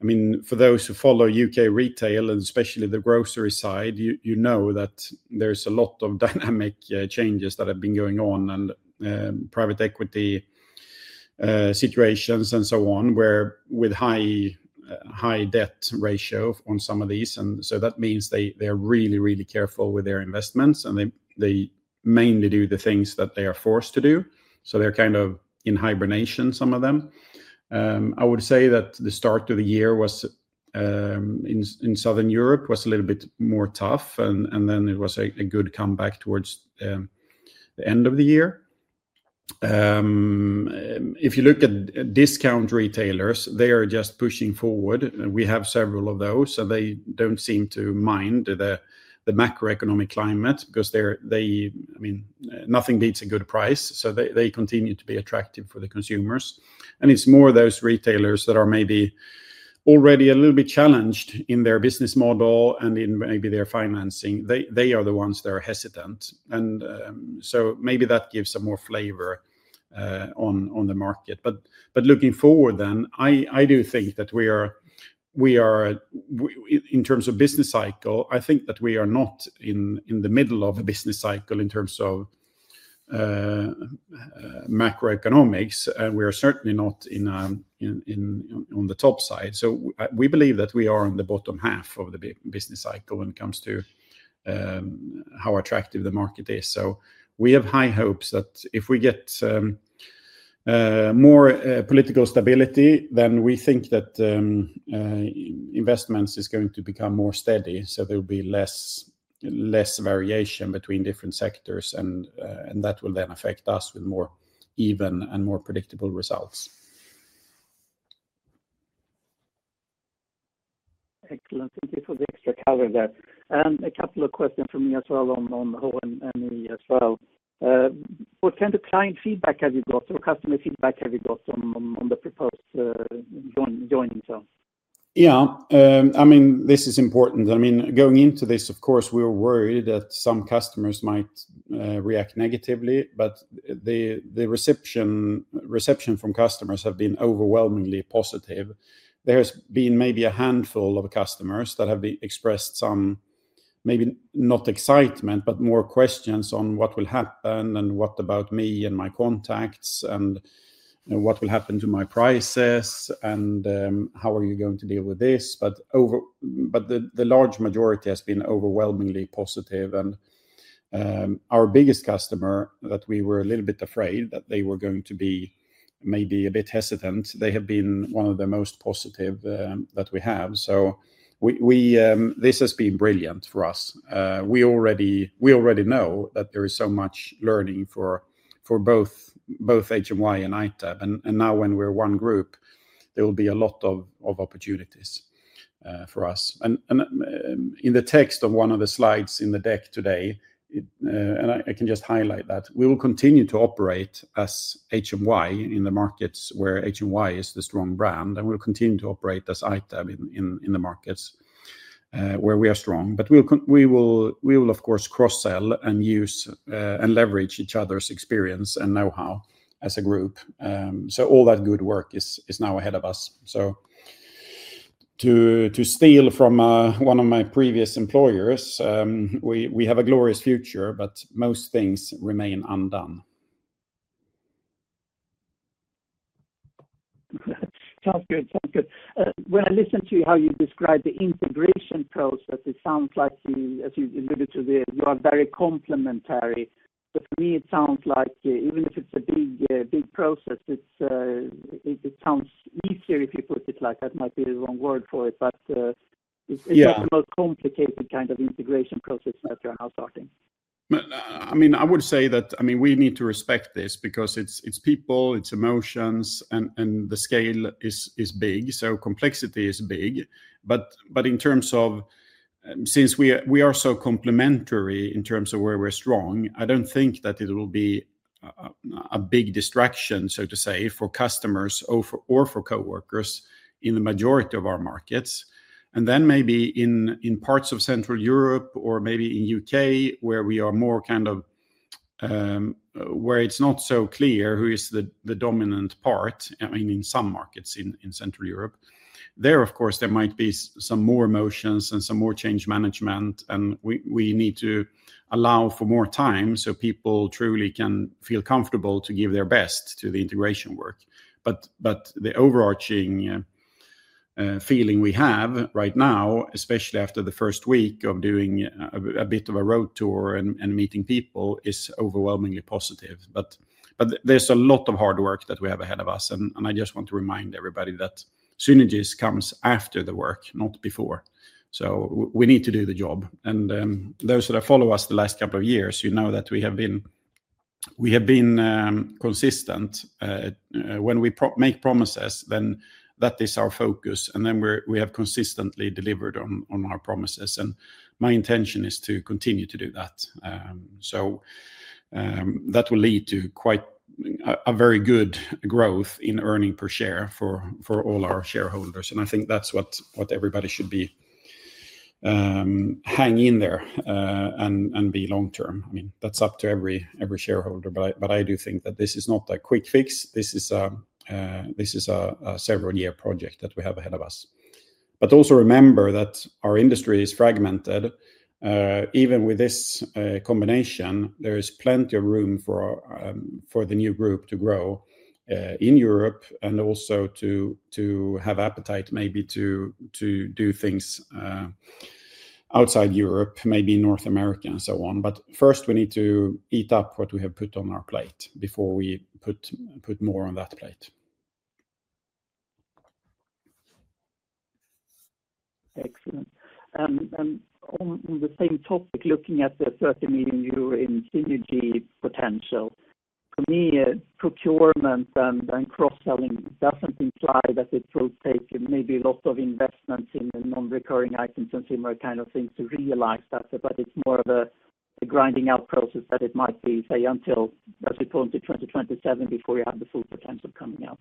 I mean, for those who follow U.K. retail, and especially the grocery side, you know that there's a lot of dynamic changes that have been going on and private equity situations and so on with high debt ratio on some of these, so that means they're really, really careful with their investments, and they mainly do the things that they are forced to do. They're kind of in hibernation, some of them. I would say that the start of the year in Southern Europe was a little bit more tough, and then it was a good comeback towards the end of the year. If you look at discount retailers, they are just pushing forward. We have several of those, and they don't seem to mind the macroeconomic climate because, I mean, nothing beats a good price. So, they continue to be attractive for the consumers. And it's more those retailers that are maybe already a little bit challenged in their business model and in maybe their financing. They are the ones that are hesitant. And so maybe that gives some more flavor on the market. But looking forward then, I do think that we are, in terms of business cycle, I think that we are not in the middle of a business cycle in terms of macroeconomics. We are certainly not on the top side. So, we believe that we are in the bottom half of the business cycle when it comes to how attractive the market is. So, we have high hopes that if we get more political stability, then we think that investments are going to become more steady. So, there will be less variation between different sectors, and that will then affect us with more even and more predictable results. Excellent. Thank you for the extra color there. And a couple of questions for me as well on the whole and me as well. What kind of client feedback have you got or customer feedback have you got on the proposed joining terms? Yeah. I mean, this is important. I mean, going into this, of course, we were worried that some customers might react negatively, but the reception from customers has been overwhelmingly positive. There has been maybe a handful of customers that have expressed some maybe not excitement, but more questions on what will happen and what about me and my contacts and what will happen to my prices and how are you going to deal with this. But the large majority has been overwhelmingly positive. And our biggest customer that we were a little bit afraid that they were going to be maybe a bit hesitant, they have been one of the most positive that we have, so this has been brilliant for us. We already know that there is so much learning for both HMY and ITAB, and now when we're one group. There will be a lot of opportunities for us, and in the text of one of the slides in the deck today. And I can just highlight that we will continue to operate as HMY in the markets where HMY is the strong brand. And we'll continue to operate as ITAB in the markets where we are strong, but we will, of course, cross-sell and use and leverage each other's experience and know-how as a group, so all that good work is now ahead of us. So, to steal from one of my previous employers, we have a glorious future, but most things remain undone. Sounds good. Sounds good. When I listen to how you describe the integration process, it sounds like, as you alluded to there, you are very complementary. But for me, it sounds like even if it's a big process, it sounds easier if you put it like that. That might be the wrong word for it, but it's not the most complicated kind of integration process that you're now starting. I mean, I would say that, I mean, we need to respect this because it's people, it's emotions, and the scale is big. So, complexity is big. But in terms of, since we are so complementary in terms of where we're strong, I don't think that it will be a big distraction, so to say, for customers or for coworkers in the majority of our markets. And then maybe in parts of Central Europe or maybe in UK, where we are more kind of where it's not so clear who is the dominant part, I mean, in some markets in Central Europe, there, of course, there might be some more emotions and some more change management. And we need to allow for more time so people truly can feel comfortable to give their best to the integration work. But the overarching feeling we have right now, especially after the first week of doing a bit of a road tour and meeting people, is overwhelmingly positive. But there's a lot of hard work that we have ahead of us. And I just want to remind everybody that synergies come after the work, not before. So, we need to do the job. And those that have followed us the last couple of years, you know that we have been consistent. When we make promises, then that is our focus. And then we have consistently delivered on our promises. And my intention is to continue to do that. So that will lead to quite a very good growth in earnings per share for all our shareholders. And I think that's what everybody should be hanging in there and be long-term. I mean, that's up to every shareholder. But I do think that this is not a quick fix. This is a several-year project that we have ahead of us. But also remember that our industry is fragmented. Even with this combination, there is plenty of room for the new group to grow in Europe and also to have appetite maybe to do things outside Europe, maybe North America and so on. But first, we need to eat up what we have put on our plate before we put more on that plate. Excellent. And on the same topic, looking at the 30 million euro in synergy potential, for me, procurement and cross-selling doesn't imply that it will take maybe a lot of investments in non-recurring items, consumer kind of things to realize that. But it's more of a grinding-out process that it might be, say, until, as we point to 2027, before you have the full potential coming out.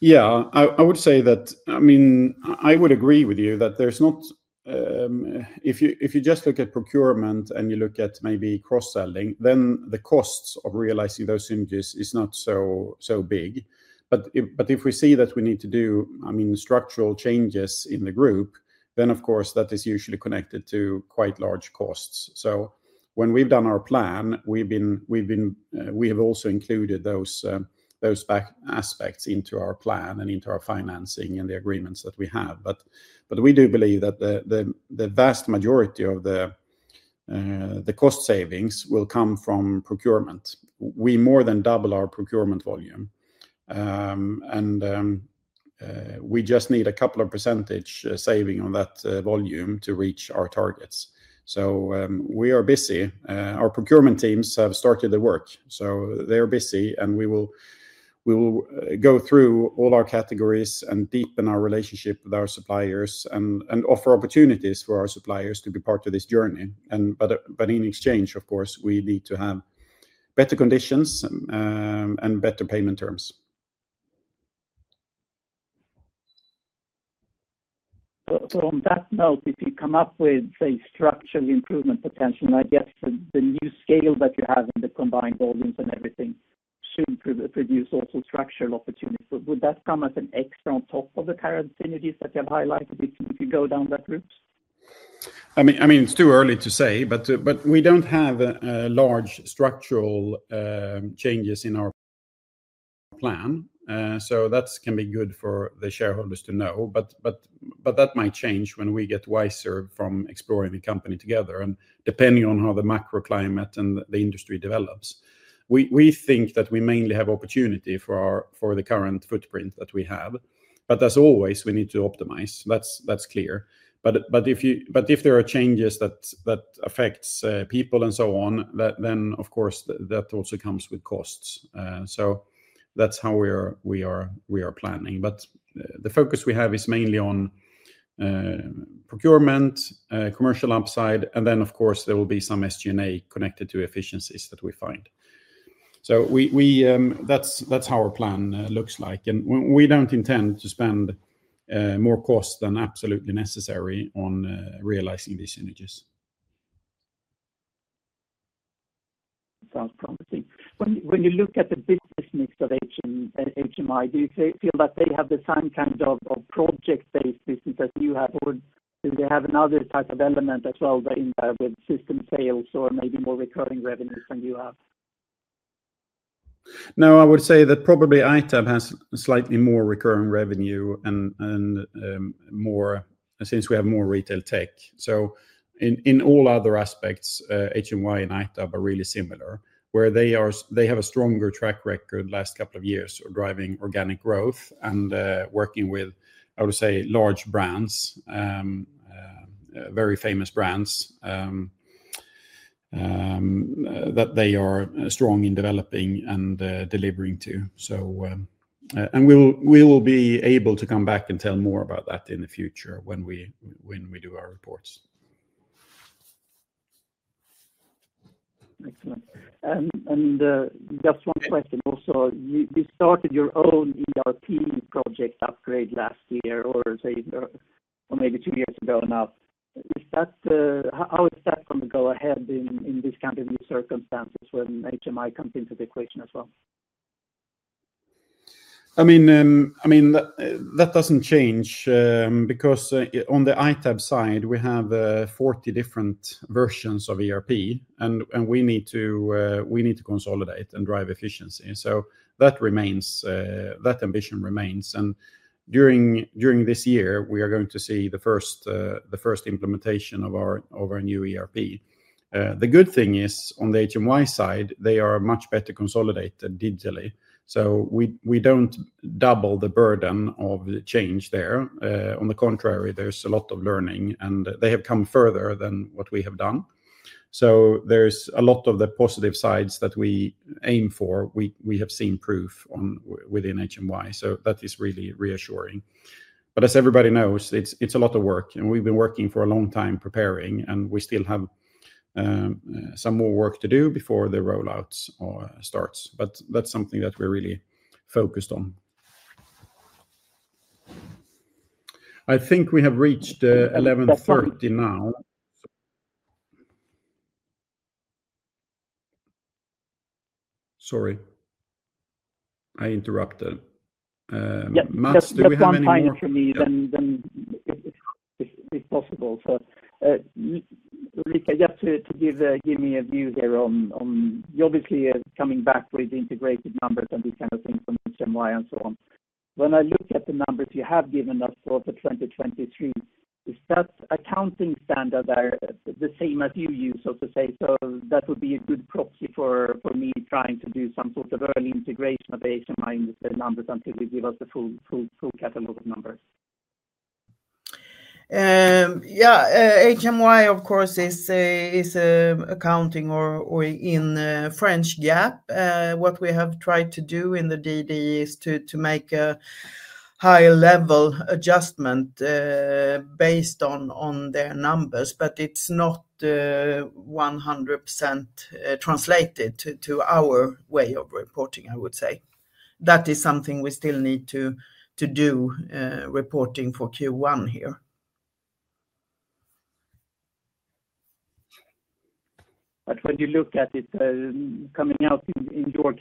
Yeah. I would say that, I mean, I would agree with you that there's not if you just look at procurement and you look at maybe cross-selling, then the costs of realizing those synergies is not so big. But if we see that we need to do, I mean, structural changes in the group, then, of course, that is usually connected to quite large costs. So when we've done our plan, we have also included those aspects into our plan and into our financing and the agreements that we have. But we do believe that the vast majority of the cost savings will come from procurement. We more than double our procurement volume. And we just need a couple of percentage saving on that volume to reach our targets. So, we are busy. Our procurement teams have started the work. So they are busy, and we will go through all our categories and deepen our relationship with our suppliers and offer opportunities for our suppliers to be part of this journey. But in exchange, of course, we need to have better conditions and better payment terms. So on that note, if you come up with, say, structural improvement potential, I guess the new scale that you have in the combined volumes and everything should produce also structural opportunities. Would that come as an extra on top of the current synergies that you have highlighted if you go down that route? I mean, it's too early to say, but we don't have large structural changes in our plan. So that can be good for the shareholders to know. But that might change when we get wiser from exploring the company together and depending on how the macroclimate and the industry develops. We think that we mainly have opportunity for the current footprint that we have. But as always, we need to optimize. That's clear. But if there are changes that affect people and so on, then, of course, that also comes with costs. So that's how we are planning. But the focus we have is mainly on procurement, commercial upside, and then, of course, there will be some SG&A connected to efficiencies that we find. So that's how our plan looks like. And we don't intend to spend more cost than absolutely necessary on realizing these synergies. Sounds promising. When you look at the business mix of HMY, do you feel that they have the same kind of project-based business as you have? Or do they have another type of element as well with system sales or maybe more recurring revenues than you have? No, I would say that probably ITAB has slightly more recurring revenue since we have more retail tech. So, in all other aspects, HMY and ITAB are really similar, where they have a stronger track record last couple of years of driving organic growth and working with, I would say, large brands, very famous brands that they are strong in developing and delivering to. And we will be able to come back and tell more about that in the future when we do our reports. Excellent. And just one question also. You started your own ERP project upgrade last year or maybe two years ago now. How is that going to go ahead in these kinds of new circumstances when HMY comes into the equation as well? I mean, that doesn't change because on the ITAB side, we have 40 different versions of ERP, and we need to consolidate and drive efficiency. So that ambition remains. And during this year, we are going to see the first implementation of our new ERP. The good thing is, on the HMY side, they are much better consolidated digitally. So we don't double the burden of change there. On the contrary, there's a lot of learning, and they have come further than what we have done. So there's a lot of the positive sides that we aim for. We have seen proof within HMY. So that is really reassuring. But as everybody knows, it's a lot of work. And we've been working for a long time preparing, and we still have some more work to do before the rollout starts. But that's something that we're really focused on. I think we have reached 11:30 A.M. now. Sorry. I interrupted. Yeah. Do we have any more? Do you have more time for me if possible? So just to give me a view here on you're obviously coming back with integrated numbers and these kind of things from HMY and so on. When I look at the numbers you have given us for the 2023, is that accounting standard the same as you use, so to say? So that would be a good proxy for me trying to do some sort of early integration of the HMY with the numbers until you give us the full catalog of numbers? Yeah. HMY, of course, is accounting or in French GAAP. What we have tried to do in the DD is to make a higher-level adjustment based on their numbers. But it's not 100% translated to our way of reporting, I would say. That is something we still need to do reporting for Q1 here. But when you look at it coming out in your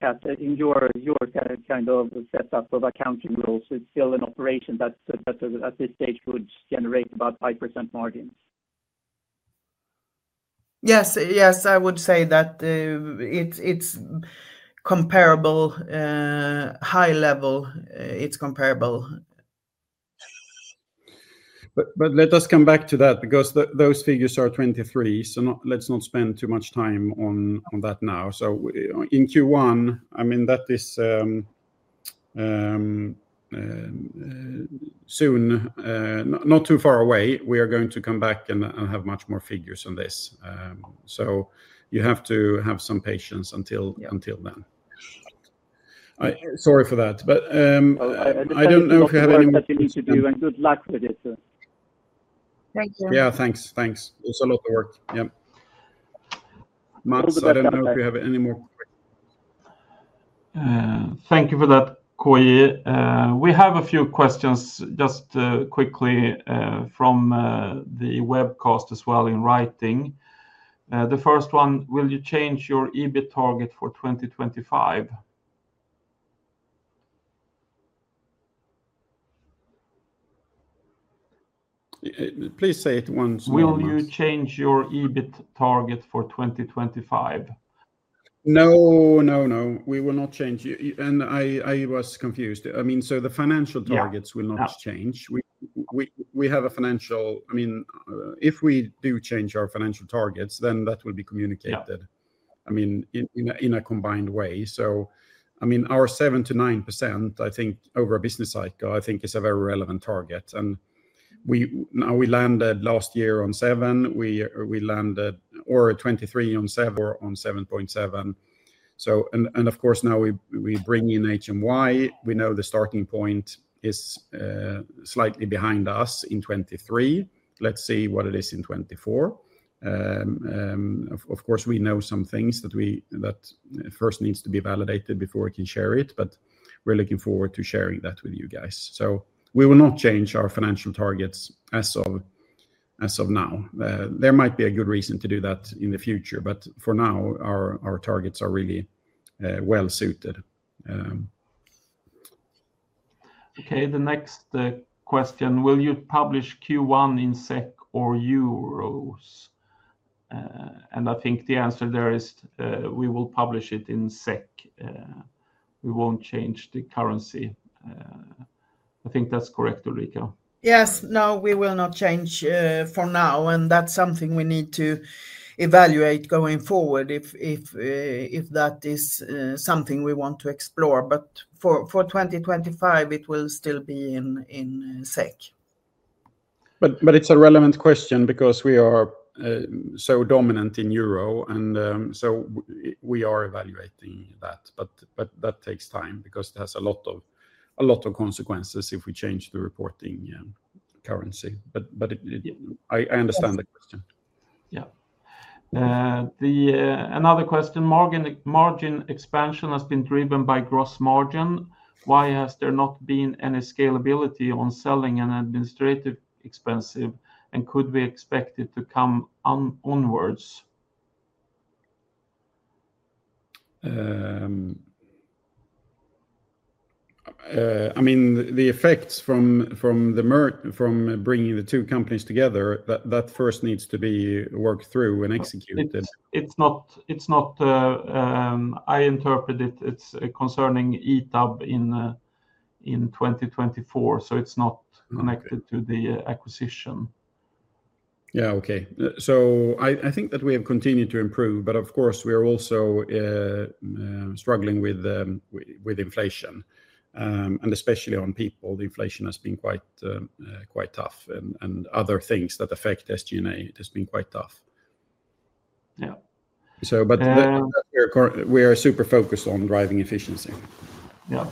kind of setup of accounting rules, it's still an operation that at this stage would generate about 5% margins? Yes. Yes. I would say that it's comparable. High level, it's comparable. But let us come back to that because those figures are 2023, so let's not spend too much time on that now. So, in Q1, I mean, that is soon. Not too far away, we are going to come back and have much more figures on this. So, you have to have some patience until then. Sorry for that. But I don't know if you have any more. I understand that you need to do, and good luck with it. Thank you. Yeah. Thanks. Thanks. It's a lot of work. Yeah. Mats, I don't know if you have any more questions. Thank you for that, query. We have a few questions just quickly from the webcast as well in writing. The first one, will you change your EBIT target for 2025? Please say it once. Will you change your EBIT target for 2025? No, no, no. We will not change and I was confused. I mean, so the financial targets will not change. We have a financial I mean, if we do change our financial targets, then that will be communicated, I mean, in a combined way. So, I mean, our 7%-9%, I think, over a business cycle, I think is a very relevant target and we landed last year on 7%. We landed in 2023 on 7. On 7.7%. And of course, now we bring in HMY. We know the starting point is slightly behind us in 2023. Let's see what it is in 2024. Of course, we know some things that first need to be validated before we can share it, but we're looking forward to sharing that with you guys, so we will not change our financial targets as of now. There might be a good reason to do that in the future, but for now, our targets are really well-suited. Okay. The next question: will you publish Q1 in SEK or euros? I think the answer there is we will publish it in SEK. We won't change the currency. I think that's correct, Ulrika. Yes. No, we will not change for now. That's something we need to evaluate going forward if that is something we want to explore, but for 2025, it will still be in SEK. But it's a relevant question because we are so dominant in Euro. And so, we are evaluating that. But that takes time because it has a lot of consequences if we change the reporting currency. But I understand the question. Yeah. Another question, margin expansion has been driven by gross margin. Why has there not been any scalability on selling and administrative expenses? And could we expect it to come onward? I mean, the effects from bringing the two companies together, that first needs to be worked through and executed. It's not, I interpret it. It's concerning ITAB in 2024. So it's not connected to the acquisition. Yeah. Okay. So I think that we have continued to improve. But of course, we are also struggling with inflation. And especially on people, the inflation has been quite tough. And other things that affect SG&A, it has been quite tough. But we are super focused on driving efficiency. Yeah.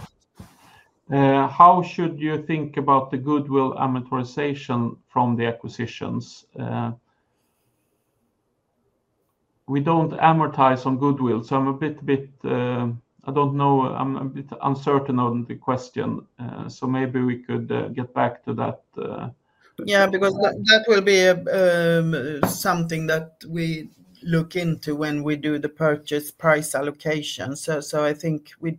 How should you think about the goodwill amortization from the acquisitions? We don't amortize on goodwill. So I'm a bit uncertain on the question. So maybe we could get back to that. Yeah. Because that will be something that we look into when we do the purchase price allocation. So I think we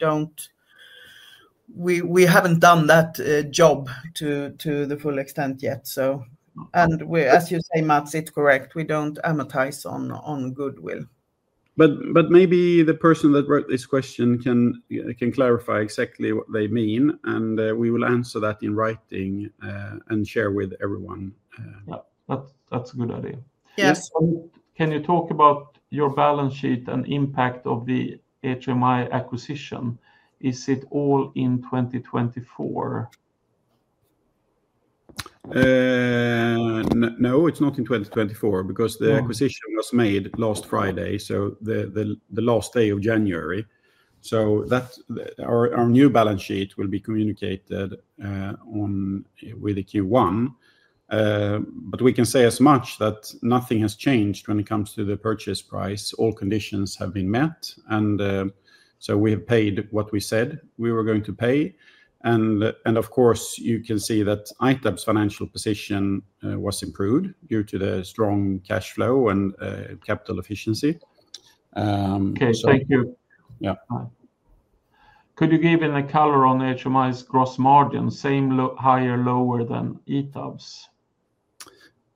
haven't done that job to the full extent yet. And as you say, Mats, it's correct. We don't amortize on goodwill. But maybe the person that wrote this question can clarify exactly what they mean. And we will answer that in writing and share with everyone. That's a good idea. Yes. Can you talk about your balance sheet and impact of the HMY acquisition? Is it all in 2024? No, it's not in 2024 because the acquisition was made last Friday, so the last day of January, so our new balance sheet will be communicated with Q1. But we can say as much that nothing has changed when it comes to the purchase price. All conditions have been met, and so we have paid what we said we were going to pay. And of course, you can see that ITAB's financial position was improved due to the strong cash flow and capital efficiency. Okay. Thank you. Yeah. Could you give any color on HMY's gross margin? Same higher, lower than ITAB's?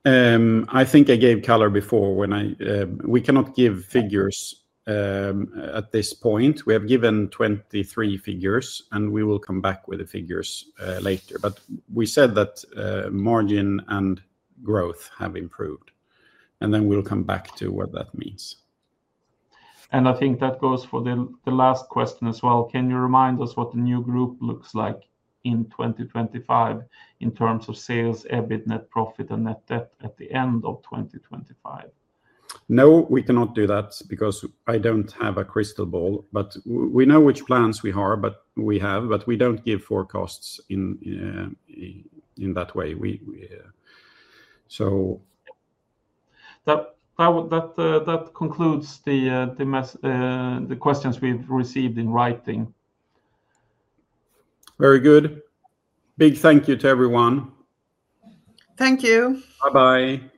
I think I gave color before when we cannot give figures at this point. We have given two-three figures, and we will come back with the figures later, but we said that margin and growth have improved, and then we'll come back to what that means. I think that goes for the last question as well. Can you remind us what the new group looks like in 2025 in terms of sales, EBIT, net profit, and net debt at the end of 2025? No, we cannot do that because I don't have a crystal ball, but we know which plans we have, but we don't give forecasts in that way. That concludes the questions we've received in writing. Very good. Big thank you to everyone. Thank you. Bye-bye.